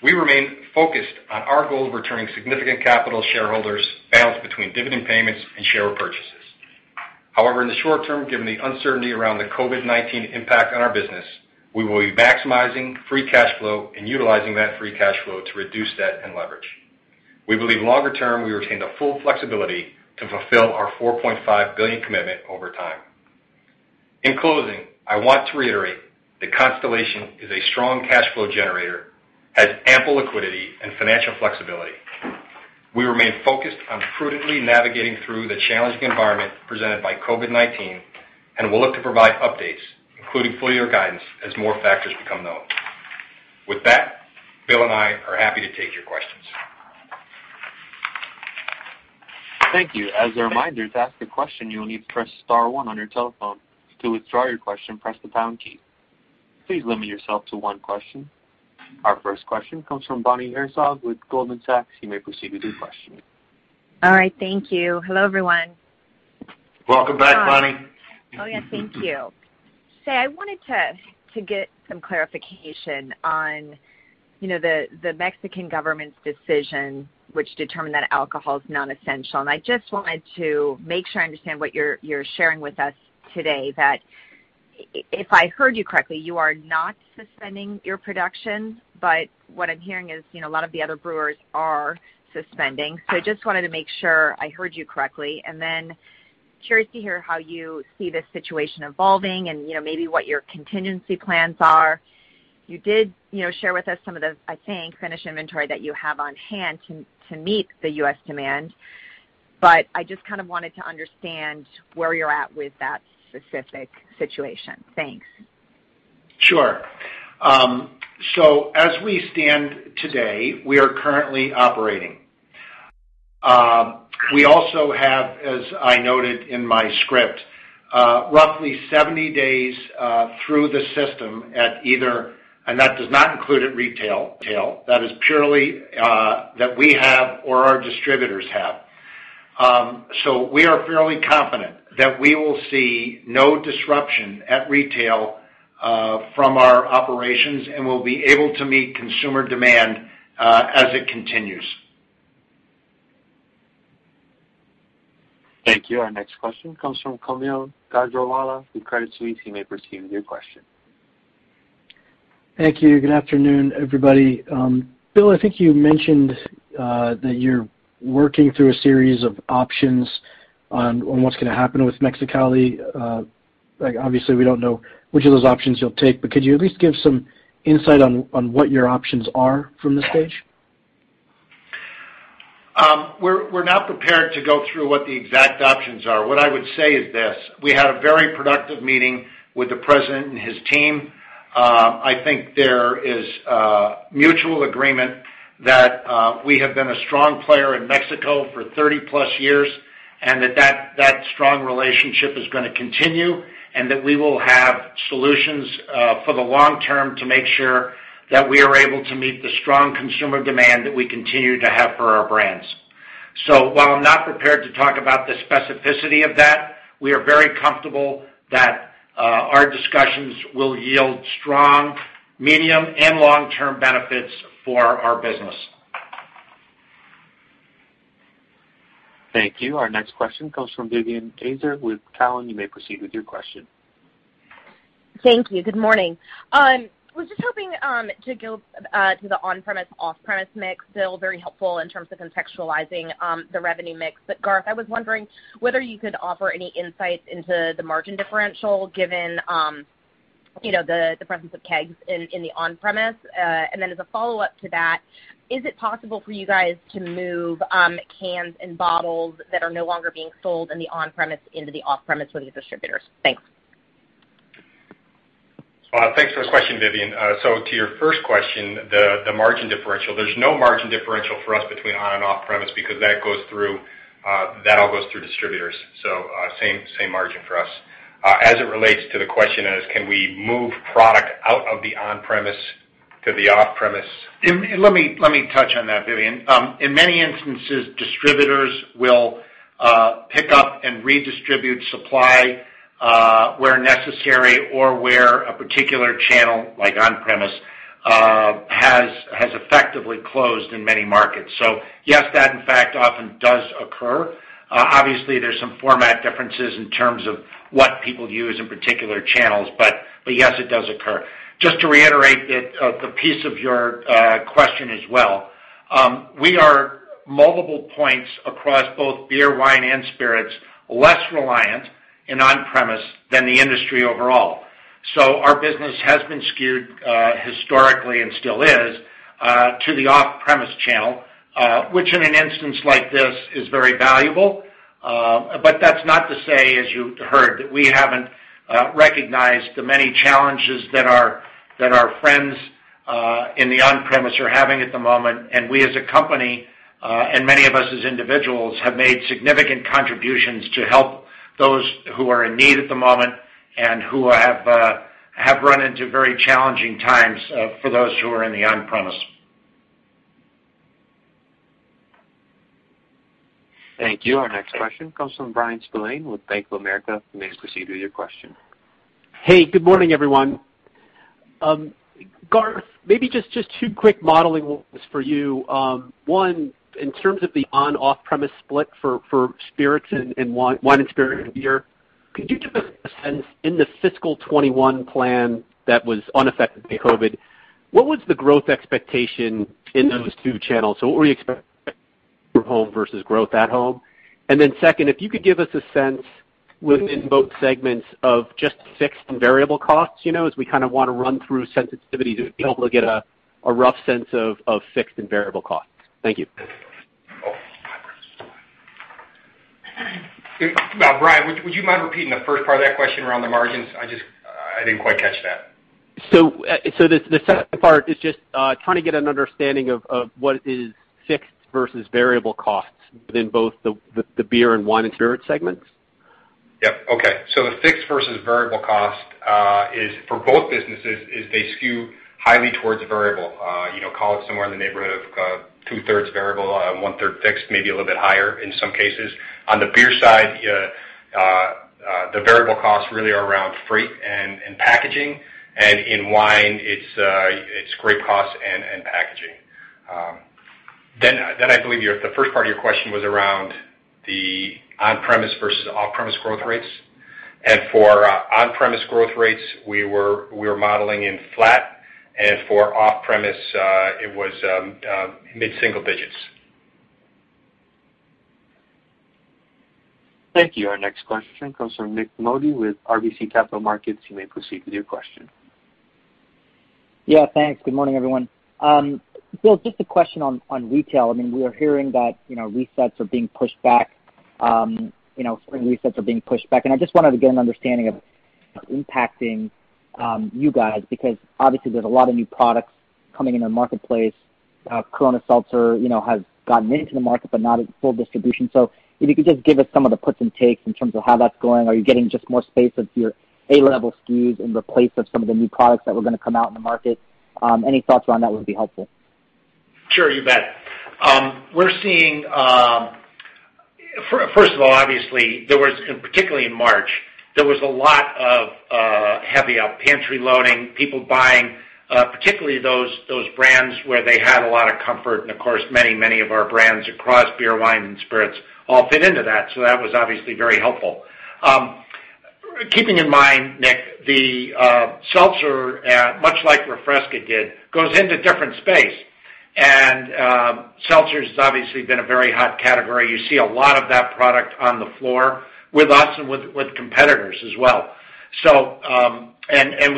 We remain focused on our goal of returning significant capital shareholders balanced between dividend payments and share repurchases. However, in the short term, given the uncertainty around the COVID-19 impact on our business, we will be maximizing free cash flow and utilizing that free cash flow to reduce debt and leverage. We believe longer term, we retain the full flexibility to fulfill our $4.5 billion commitment over time. In closing, I want to reiterate that Constellation is a strong cash flow generator, has ample liquidity and financial flexibility. We remain focused on prudently navigating through the challenging environment presented by COVID-19, and we'll look to provide updates, including full-year guidance, as more factors become known. With that, Bill and I are happy to take your questions. Thank you. As a reminder, to ask a question, you will need to press star one on your telephone. To withdraw your question, press the pound key. Please limit yourself to one question. Our first question comes from Bonnie Herzog with Goldman Sachs. You may proceed with your question. All right. Thank you. Hello, everyone. Welcome back, Bonnie. Oh, yeah. Thank you. Say, I wanted to get some clarification on the Mexican government's decision, which determined that alcohol is non-essential, and I just wanted to make sure I understand what you're sharing with us today, that if I heard you correctly, you are not suspending your production. What I'm hearing is a lot of the other brewers are suspending. I just wanted to make sure I heard you correctly, and then curious to hear how you see this situation evolving and maybe what your contingency plans are. You did share with us some of the, I think, finished inventory that you have on hand to meet the US demand. I just kind of wanted to understand where you're at with that specific situation. Thanks. Sure. As we stand today, we are currently operating. We also have, as I noted in my script, roughly 70 days through the system. That does not include at retail. That is purely that we have or our distributors have. We are fairly confident that we will see no disruption at retail from our operations and we'll be able to meet consumer demand as it continues. Thank you. Our next question comes from Kaumil Gajrawala from Credit Suisse. You may proceed with your question. Thank you. Good afternoon, everybody. Bill, I think you mentioned, that you're working through a series of options on what's going to happen with Mexicali. Obviously, we don't know which of those options you'll take. Could you at least give some insight on what your options are from this stage? We're not prepared to go through what the exact options are. What I would say is this, we had a very productive meeting with the President and his team. I think there is a mutual agreement that we have been a strong player in Mexico for 30+ years, that strong relationship is going to continue, and that we will have solutions for the long term to make sure that we are able to meet the strong consumer demand that we continue to have for our brands. While I'm not prepared to talk about the specificity of that, we are very comfortable that our discussions will yield strong medium and long-term benefits for our business. Thank you. Our next question comes from Vivien Azer with Cowen. You may proceed with your question. Thank you. Good morning. I was just hoping to go to the on-premise, off-premise mix. Bill, very helpful in terms of contextualizing the revenue mix. Garth, I was wondering whether you could offer any insights into the margin differential given the presence of kegs in the on-premise. As a follow-up to that, is it possible for you guys to move cans and bottles that are no longer being sold in the on-premise into the off-premise with these distributors? Thanks. Thanks for the question, Vivien. To your first question, the margin differential, there's no margin differential for us between on and off-premise because that all goes through distributors. Same margin for us. As it relates to the question as can we move product out of the on-premise to the off-premise. Let me touch on that, Vivien. In many instances, distributors will pick up and redistribute supply, where necessary or where a particular channel, like on-premise, has effectively closed in many markets. Yes, that in fact often does occur. There's some format differences in terms of what people use in particular channels, but yes, it does occur. Just to reiterate the piece of your question as well. We are multiple points across both beer, wine, and spirits, less reliant in on-premise than the industry overall. Our business has been skewed, historically, and still is, to the off-premise channel, which in an instance like this is very valuable. That's not to say, as you heard, that we haven't recognized the many challenges that our friends in the on-premise are having at the moment. We as a company, and many of us as individuals, have made significant contributions to help those who are in need at the moment and who have run into very challenging times, for those who are in the on-premise. Thank you. Our next question comes from Bryan Spillane with Bank of America. You may proceed with your question. Hey, good morning, everyone. Garth, maybe just two quick modeling ones for you. One, in terms of the on-/off-premise split for wine and spirits, and beer, could you give a sense in the fiscal 2021 plan that was unaffected by COVID-19? What was the growth expectation in those two channels? What were you expecting from home versus growth at home? Second, if you could give us a sense within both segments of just fixed and variable costs, as we kind of want to run through sensitivity to be able to get a rough sense of fixed and variable costs. Thank you. Bryan, would you mind repeating the first part of that question around the margins? I didn't quite catch that. The second part is just trying to get an understanding of what is fixed versus variable costs within both the beer and wine and spirit segments. Yep. Okay. The fixed versus variable cost, for both businesses, is they skew highly towards variable. Call it somewhere in the neighborhood of two-thirds variable, one-third fixed, maybe a little bit higher in some cases. On the beer side, the variable costs really are around freight and packaging. In wine, it's grape costs and packaging. I believe the first part of your question was around the on-premise versus off-premise growth rates. For on-premise growth rates, we were modeling in flat, and for off-premise, it was mid-single digits. Thank you. Our next question comes from Nik Modi with RBC Capital Markets. You may proceed with your question. Yeah, thanks. Good morning, everyone. Bill, just a question on retail. We are hearing that resets are being pushed back. Spring resets are being pushed back. I just wanted to get an understanding of how it's impacting you guys, because obviously there's a lot of new products coming into the marketplace. Corona Seltzer has gotten into the market, not at full distribution. If you could just give us some of the puts and takes in terms of how that's going. Are you getting just more space of your A-level SKUs in place of some of the new products that were going to come out in the market? Any thoughts around that would be helpful. Sure, you bet. First of all, obviously, particularly in March, there was a lot of heavy up pantry loading, people buying, particularly those brands where they had a lot of comfort, and of course, many of our brands across beer, wine, and spirits all fit into that. That was obviously very helpful. Keeping in mind, Nik, the seltzer, much like Refresca did, goes into different space. Seltzers has obviously been a very hot category. You see a lot of that product on the floor with us and with competitors as well.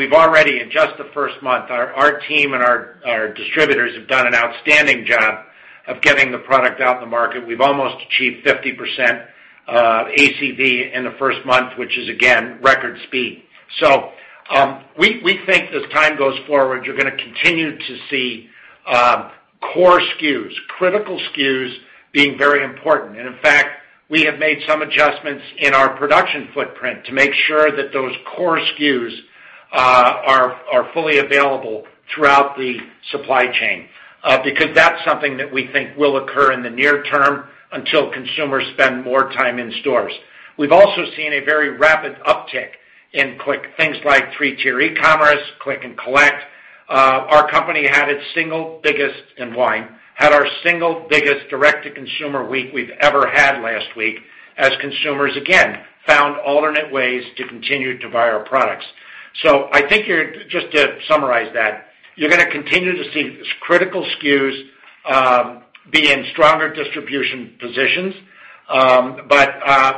We've already, in just the first month, our team and our distributors have done an outstanding job of getting the product out in the market. We've almost achieved 50% ACV in the first month, which is, again, record speed. We think as time goes forward, you're going to continue to see core SKUs, critical SKUs being very important. In fact, we have made some adjustments in our production footprint to make sure that those core SKUs are fully available throughout the supply chain. That's something that we think will occur in the near term until consumers spend more time in stores. We've also seen a very rapid uptick in quick things like 3-tier e-commerce, click and collect. Our company had its single biggest, in wine, had our single biggest direct-to-consumer week we've ever had last week, as consumers again, found alternate ways to continue to buy our products. I think just to summarize that, you're going to continue to see critical SKUs be in stronger distribution positions.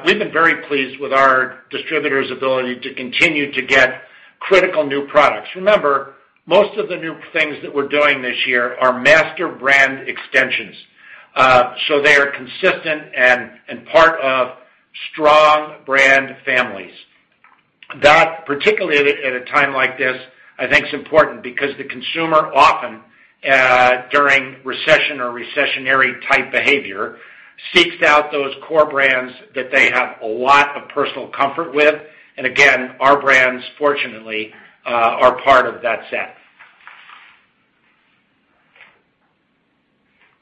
We've been very pleased with our distributors' ability to continue to get critical new products. Remember, most of the new things that we're doing this year are master brand extensions. They are consistent and part of strong brand families. That, particularly at a time like this, I think is important because the consumer often, during recession or recessionary type behavior, seeks out those core brands that they have a lot of personal comfort with. Again, our brands, fortunately, are part of that set.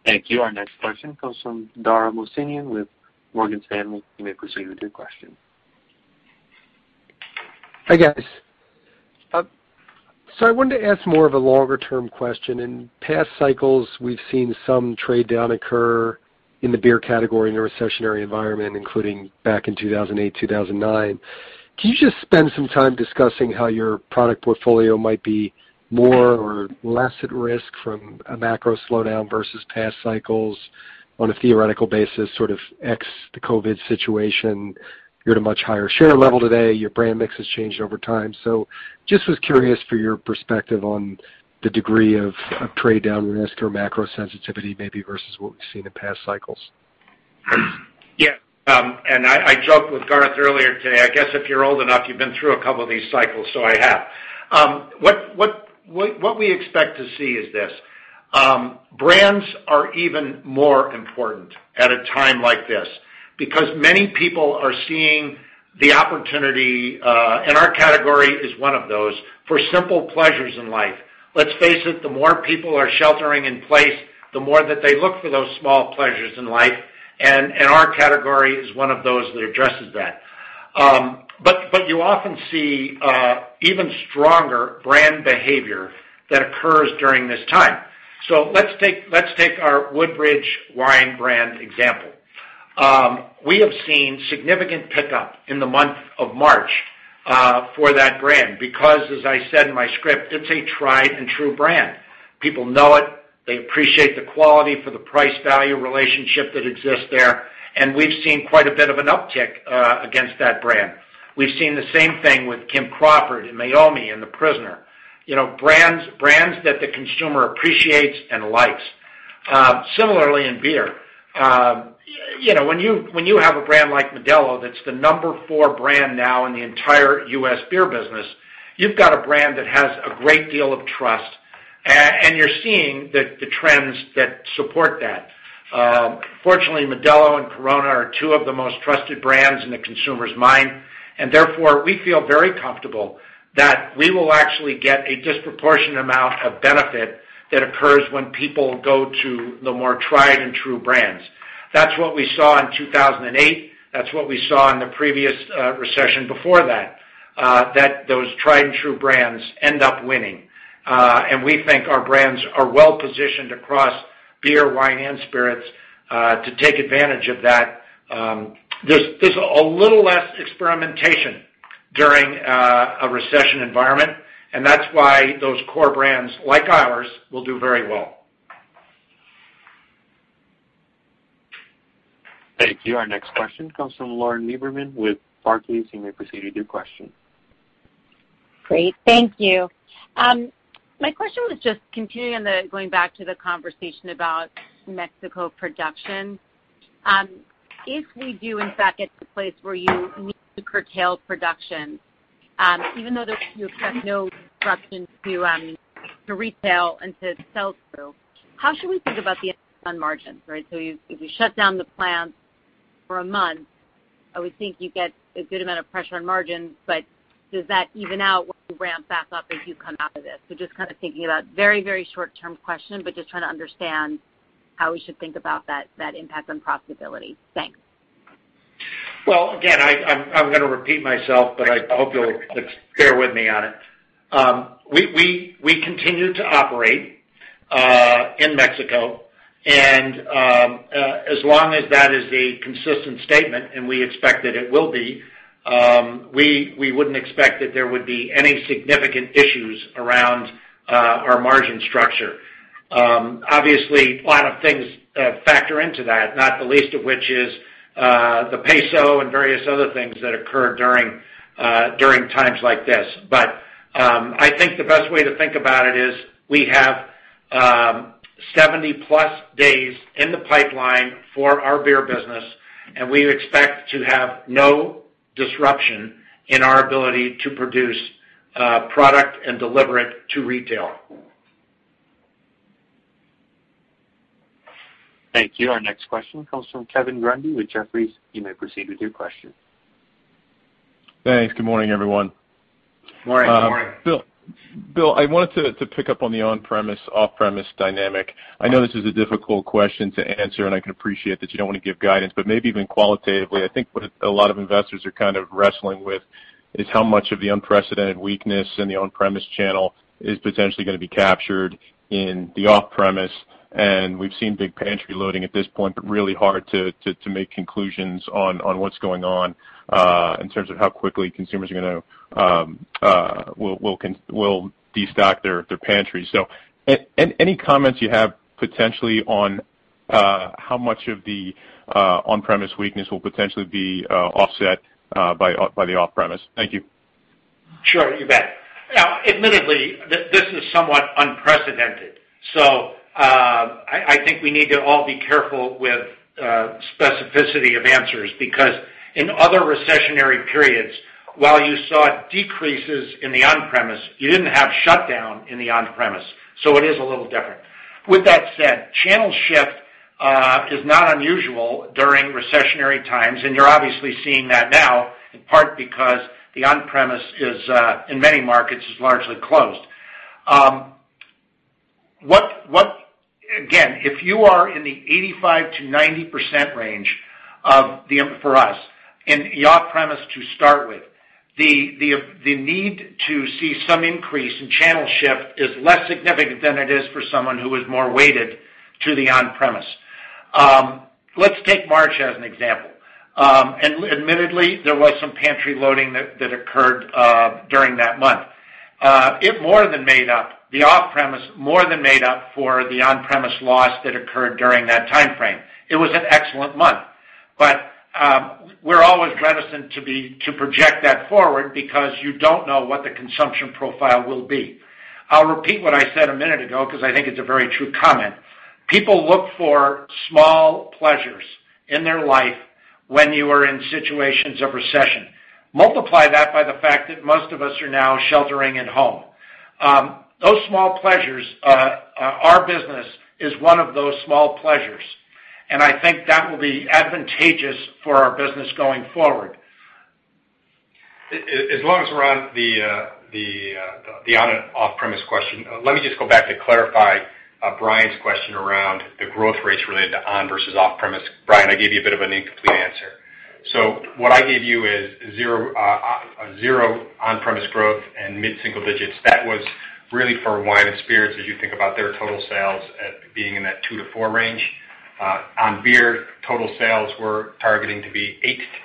Thank you. Our next question comes from Dara Mohsenian with Morgan Stanley. You may proceed with your question. Hi, guys. I wanted to ask more of a longer-term question. In past cycles, we've seen some trade down occur in the beer category in a recessionary environment, including back in 2008, 2009. Can you just spend some time discussing how your product portfolio might be more or less at risk from a macro slowdown versus past cycles on a theoretical basis, sort of ex the COVID-19 situation? You're at a much higher share level today. Your brand mix has changed over time. Just was curious for your perspective on the degree of trade down risk or macro sensitivity maybe versus what we've seen in past cycles. Yeah. I joked with Garth earlier today. I guess if you're old enough, you've been through a couple of these cycles, I have. What we expect to see is this. Brands are even more important at a time like this because many people are seeing the opportunity, our category is one of those, for simple pleasures in life. Let's face it, the more people are sheltering in place, the more that they look for those small pleasures in life, our category is one of those that addresses that. You often see even stronger brand behavior that occurs during this time. Let's take our Woodbridge wine brand example. We have seen significant pickup in the month of March for that brand because, as I said in my script, it's a tried and true brand. People know it. They appreciate the quality for the price-value relationship that exists there. We've seen quite a bit of an uptick against that brand. We've seen the same thing with Kim Crawford and Meiomi and The Prisoner. Brands that the consumer appreciates and likes. Similarly, in beer. When you have a brand like Modelo that's the number four brand now in the entire US beer business, you've got a brand that has a great deal of trust, and you're seeing the trends that support that. Fortunately, Modelo and Corona are two of the most trusted brands in the consumer's mind, and therefore, we feel very comfortable that we will actually get a disproportionate amount of benefit that occurs when people go to the more tried and true brands. That's what we saw in 2008. That's what we saw in the previous recession before that those tried and true brands end up winning. We think our brands are well-positioned across beer, wine, and spirits to take advantage of that. There's a little less experimentation during a recession environment. That's why those core brands like ours will do very well. Thank you. Our next question comes from Lauren Lieberman with Barclays. You may proceed with your question. Great. Thank you. My question was just continuing on going back to the conversation about Mexico production. If we do in fact get to the place where you need to curtail production, even though you expect no disruption to retail and to sell-through, how should we think about the impact on margins? Right? If you shut down the plant for a month, I would think you get a good amount of pressure on margins, but does that even out once you ramp back up as you come out of this? Just kind of thinking about very short-term question, but just trying to understand how we should think about that impact on profitability. Thanks. Well, again, I'm going to repeat myself. I hope you'll bear with me on it. We continue to operate in Mexico. As long as that is a consistent statement, and we expect that it will be. We wouldn't expect that there would be any significant issues around our margin structure. Obviously, a lot of things factor into that, not the least of which is the peso and various other things that occur during times like this. I think the best way to think about it is we have 70+ days in the pipeline for our beer business, and we expect to have no disruption in our ability to produce product and deliver it to retail. Thank you. Our next question comes from Kevin Grundy with Jefferies. You may proceed with your question. Thanks. Good morning, everyone. Morning. Good morning. Bill, I wanted to pick up on the on-premise, off-premise dynamic. I know this is a difficult question to answer. I can appreciate that you don't want to give guidance, maybe even qualitatively, I think what a lot of investors are kind of wrestling with is how much of the unprecedented weakness in the on-premise channel is potentially going to be captured in the off-premise. We've seen big pantry loading at this point, really hard to make conclusions on what's going on in terms of how quickly consumers will destock their pantries. Any comments you have potentially on how much of the on-premise weakness will potentially be offset by the off-premise? Thank you. Sure. You bet. Now, admittedly, this is somewhat unprecedented, so I think we need to all be careful with specificity of answers because in other recessionary periods, while you saw decreases in the on-premise, you didn't have shutdown in the on-premise. It is a little different. With that said, channel shift is not unusual during recessionary times, and you're obviously seeing that now in part because the on-premise in many markets is largely closed. Again, if you are in the 85%-90% range for us in the off-premise to start with, the need to see some increase in channel shift is less significant than it is for someone who is more weighted to the on-premise. Let's take March as an example. Admittedly, there was some pantry loading that occurred during that month. The off-premise more than made up for the on-premise loss that occurred during that timeframe. It was an excellent month. We're always reticent to project that forward because you don't know what the consumption profile will be. I'll repeat what I said a minute ago because I think it's a very true comment. People look for small pleasures in their life when you are in situations of recession. Multiply that by the fact that most of us are now sheltering at home. Those small pleasures, our business is one of those small pleasures, and I think that will be advantageous for our business going forward. As long as we're on the on and off-premise question, let me just go back to clarify Bryan's question around the growth rates related to on versus off-premise. Bryan, I gave you a bit of an incomplete answer. What I gave you is zero on-premise growth and mid-single digits. That was really for wine and spirits as you think about their total sales at being in that two to four range. On beer, total sales we're targeting to be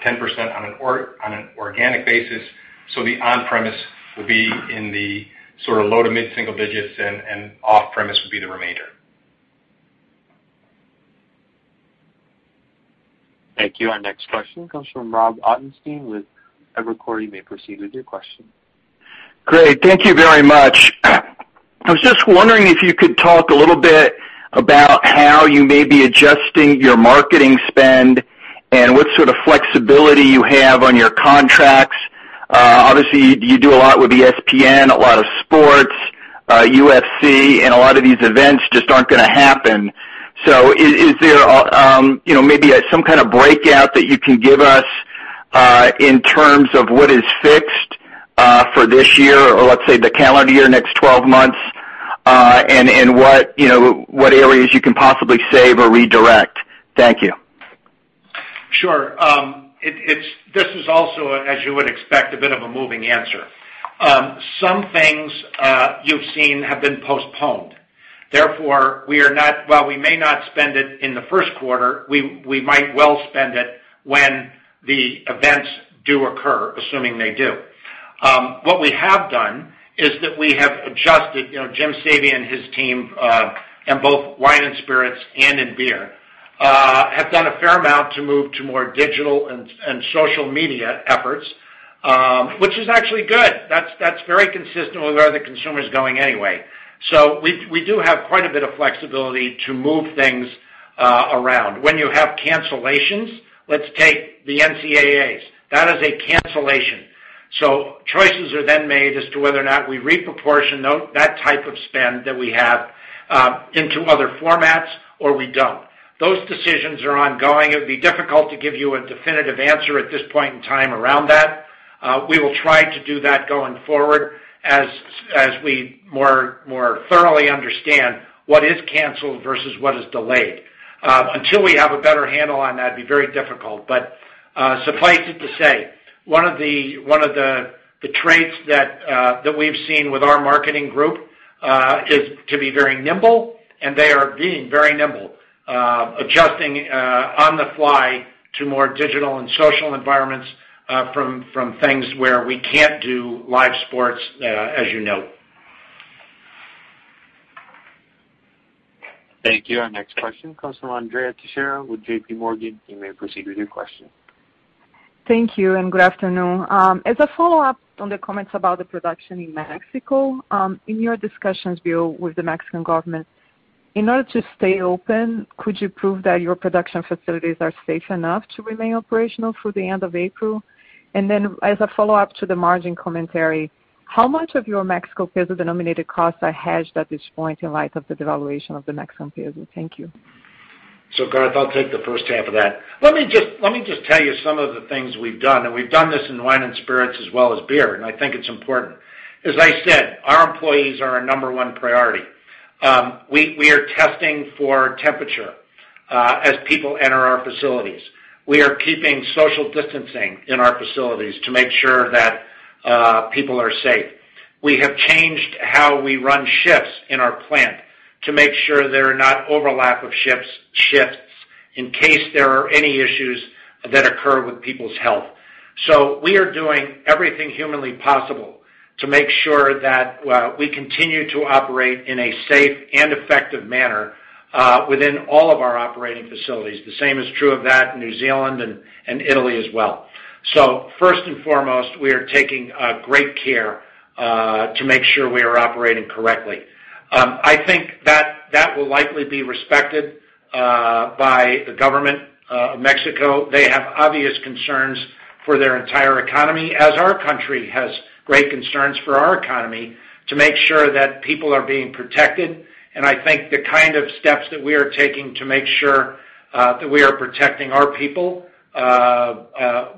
8%-10% on an organic basis. The on-premise will be in the sort of low to mid-single digits and off-premise would be the remainder. Thank you. Our next question comes from Rob Ottenstein with Evercore. You may proceed with your question. Great. Thank you very much. I was just wondering if you could talk a little bit about how you may be adjusting your marketing spend and what sort of flexibility you have on your contracts. Obviously, you do a lot with ESPN, a lot of sports, UFC, and a lot of these events just aren't going to happen. Is there maybe some kind of breakout that you can give us in terms of what is fixed for this year or let's say the calendar year, next 12 months, and what areas you can possibly save or redirect? Thank you. Sure. This is also, as you would expect, a bit of a moving answer. Some things you've seen have been postponed. While we may not spend it in the first quarter, we might well spend it when the events do occur, assuming they do. What we have done is that we have adjusted, Jim Sabia and his team, in both wine and spirits and in beer, have done a fair amount to move to more digital and social media efforts, which is actually good. That's very consistent with where the consumer is going anyway. We do have quite a bit of flexibility to move things around. When you have cancellations, let's take the NCAAs. That is a cancellation. Choices are then made as to whether or not we re-proportion that type of spend that we have into other formats or we don't. Those decisions are ongoing. It would be difficult to give you a definitive answer at this point in time around that. We will try to do that going forward as we more thoroughly understand what is canceled versus what is delayed. Until we have a better handle on that, it would be very difficult. Suffice it to say, one of the traits that we've seen with our marketing group, is to be very nimble, and they are being very nimble. Adjusting on the fly to more digital and social environments, from things where we can't do live sports, as you know. Thank you. Our next question comes from Andrea Teixeira with J.P. Morgan. You may proceed with your question. Thank you, and good afternoon. As a follow-up on the comments about the production in Mexico, in your discussions, Bill, with the Mexican government, in order to stay open, could you prove that your production facilities are safe enough to remain operational through the end of April? As a follow-up to the margin commentary, how much of your Mexico peso-denominated costs are hedged at this point in light of the devaluation of the Mexican peso? Thank you. Garth, I'll take the first half of that. Let me just tell you some of the things we've done, and we've done this in wine and spirits as well as beer, and I think it's important. As I said, our employees are our number one priority. We are testing for temperature, as people enter our facilities. We are keeping social distancing in our facilities to make sure that people are safe. We have changed how we run shifts in our plant to make sure there are not overlap of shifts in case there are any issues that occur with people's health. We are doing everything humanly possible to make sure that we continue to operate in a safe and effective manner, within all of our operating facilities. The same is true of that New Zealand and Italy as well. First and foremost, we are taking great care to make sure we are operating correctly. I think that will likely be respected, by the government of Mexico. They have obvious concerns for their entire economy as our country has great concerns for our economy to make sure that people are being protected. I think the kind of steps that we are taking to make sure that we are protecting our people,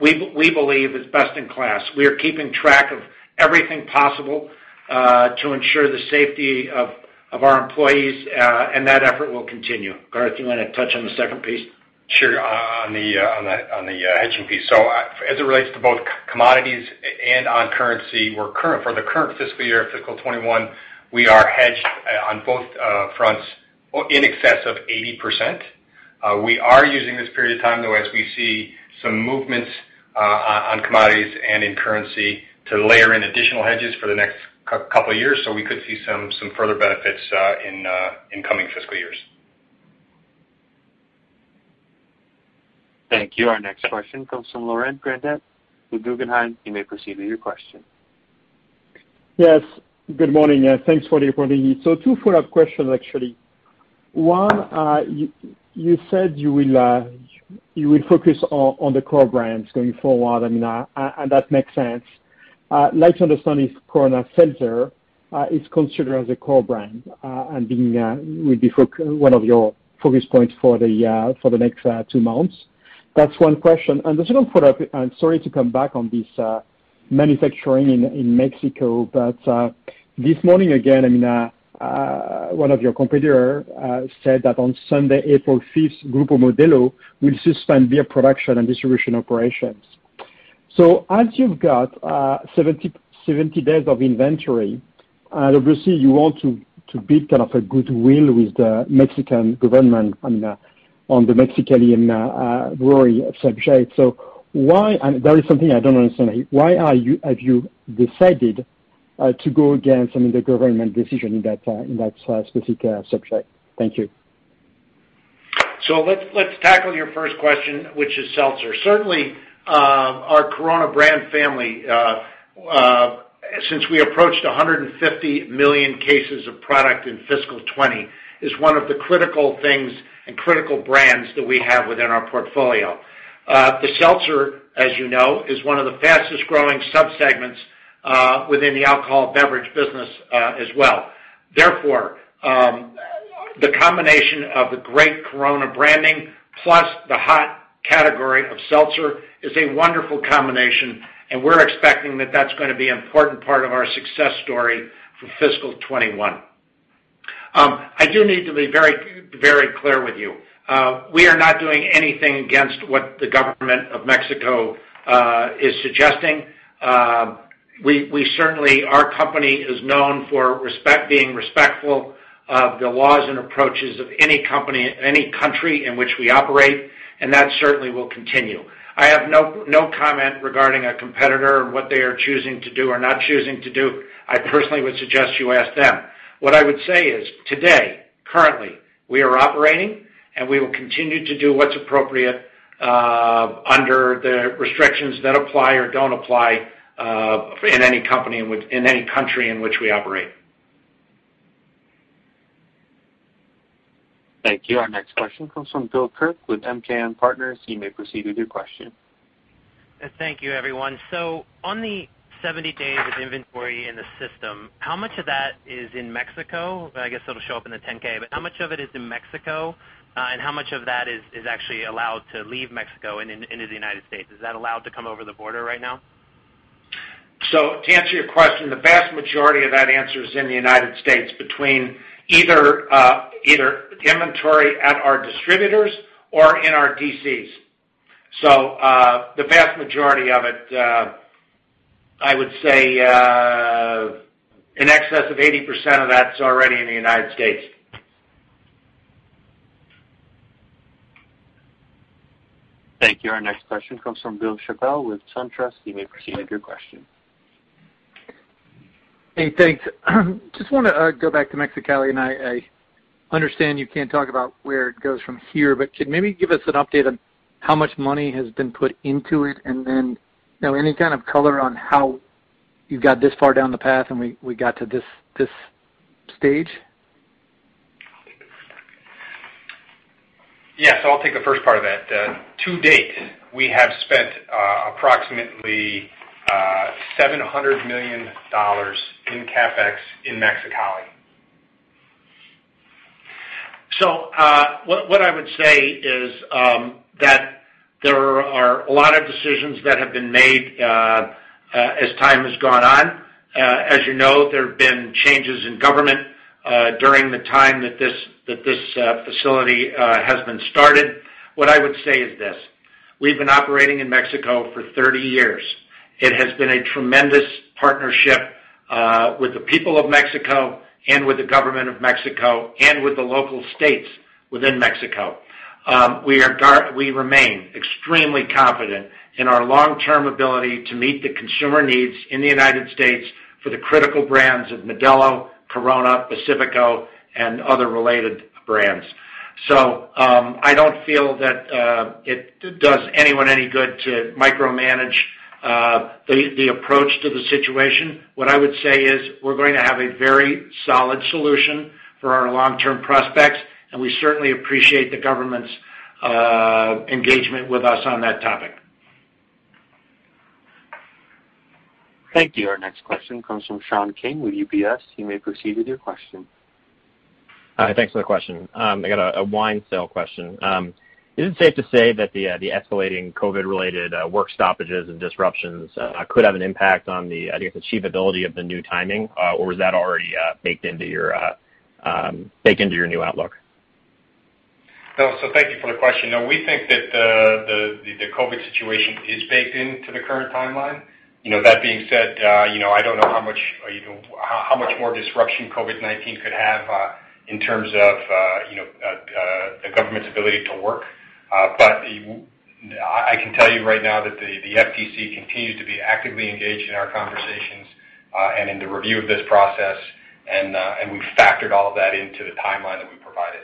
we believe is best in class. We are keeping track of everything possible, to ensure the safety of our employees, and that effort will continue. Garth, you want to touch on the second piece? Sure. On the hedging piece. As it relates to both commodities and on currency, for the current fiscal year, fiscal 2021, we are hedged on both fronts in excess of 80%. We are using this period of time, though, as we see some movements on commodities and in currency to layer in additional hedges for the next couple of years. We could see some further benefits in coming fiscal years. Thank you. Our next question comes from Laurent Grandet with Guggenheim. You may proceed with your question. Yes. Good morning. Thanks for the opportunity. Two follow-up questions, actually. One, you said you will focus on the core brands going forward, and that makes sense. I'd like to understand if Corona Seltzer is considered as a core brand, and will be one of your focus points for the next two months. That's one question. The second follow-up, I'm sorry to come back on this manufacturing in Mexico, but this morning, again, one of your competitor said that on Sunday, April 5th, Grupo Modelo will suspend beer production and distribution operations. As you've got 70 days of inventory, and obviously you want to build kind of a goodwill with the Mexican Government on the Mexican brewery subject. There is something I don't understand. Why have you decided to go against the Government decision in that specific subject? Thank you. Let's tackle your first question, which is seltzer. Certainly, our Corona brand family, since we approached 150 million cases of product in fiscal 2020, is one of the critical things and critical brands that we have within our portfolio. The seltzer, as you know, is one of the fastest-growing subsegments within the alcohol beverage business as well. The combination of the great Corona branding plus the hot category of seltzer is a wonderful combination, and we're expecting that that's going to be an important part of our success story for fiscal 2021. I do need to be very clear with you. We are not doing anything against what the government of Mexico is suggesting. Our company is known for being respectful of the laws and approaches of any country in which we operate, and that certainly will continue. I have no comment regarding a competitor and what they are choosing to do or not choosing to do. I personally would suggest you ask them. What I would say is today, currently, we are operating, and we will continue to do what's appropriate under the restrictions that apply or don't apply in any country in which we operate. Thank you. Our next question comes from Bill Kirk with MKM Partners. You may proceed with your question. Thank you, everyone. On the 70 days of inventory in the system, how much of that is in Mexico? I guess it'll show up in the 10-K, but how much of it is in Mexico? And how much of that is actually allowed to leave Mexico and into the United States? Is that allowed to come over the border right now? To answer your question, the vast majority of that answer is in the U.S. between either inventory at our distributors or in our DCs. The vast majority of it, I would say, in excess of 80% of that is already in the U.S. Thank you. Our next question comes from Bill Chappell with SunTrust. You may proceed with your question. Hey, thanks. Just want to go back to Mexicali, and I understand you can't talk about where it goes from here, but could maybe give us an update on how much money has been put into it, and then any kind of color on how you got this far down the path and we got to this stage? Yes, I'll take the first part of that. To date, we have spent approximately $700 million in CapEx in Mexicali. What I would say is that there are a lot of decisions that have been made as time has gone on. As you know, there have been changes in government during the time that this facility has been started. What I would say is this: We've been operating in Mexico for 30 years. It has been a tremendous partnership with the people of Mexico and with the government of Mexico and with the local states within Mexico. We remain extremely confident in our long-term ability to meet the consumer needs in the United States for the critical brands of Modelo, Corona, Pacifico, and other related brands. I don't feel that it does anyone any good to micromanage the approach to the situation. What I would say is we're going to have a very solid solution for our long-term prospects, and we certainly appreciate the government's engagement with us on that topic. Thank you. Our next question comes from Sean King with UBS. You may proceed with your question. Thanks for the question. I got a wine sale question. Is it safe to say that the escalating COVID-related work stoppages and disruptions could have an impact on the, I think, achievability of the new timing? Was that already baked into your new outlook? Thank you for the question. No, we think that the COVID situation is baked into the current timeline. That being said, I don't know how much more disruption COVID-19 could have in terms of the government's ability to work. I can tell you right now that the FTC continues to be actively engaged in our conversations and in the review of this process, and we've factored all of that into the timeline that we provided.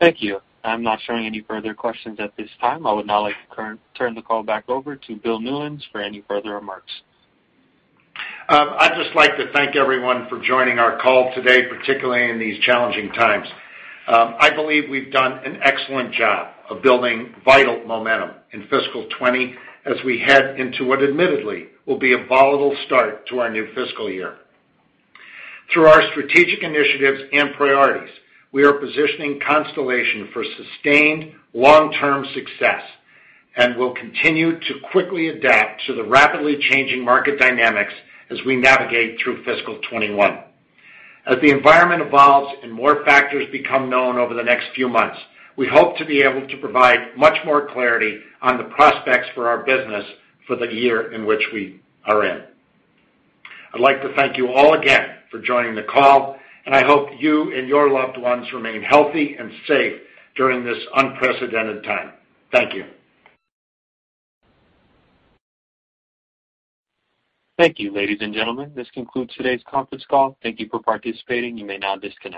Thank you. I'm not showing any further questions at this time. I would now like to turn the call back over to Bill Newlands for any further remarks. I'd just like to thank everyone for joining our call today, particularly in these challenging times. I believe we've done an excellent job of building vital momentum in fiscal 2020 as we head into what admittedly will be a volatile start to our new fiscal year. Through our strategic initiatives and priorities, we are positioning Constellation for sustained long-term success and will continue to quickly adapt to the rapidly changing market dynamics as we navigate through fiscal 2021. As the environment evolves and more factors become known over the next few months, we hope to be able to provide much more clarity on the prospects for our business for the year in which we are in. I'd like to thank you all again for joining the call, and I hope you and your loved ones remain healthy and safe during this unprecedented time. Thank you. Thank you, ladies and gentlemen. This concludes today's conference call. Thank you for participating. You may now disconnect.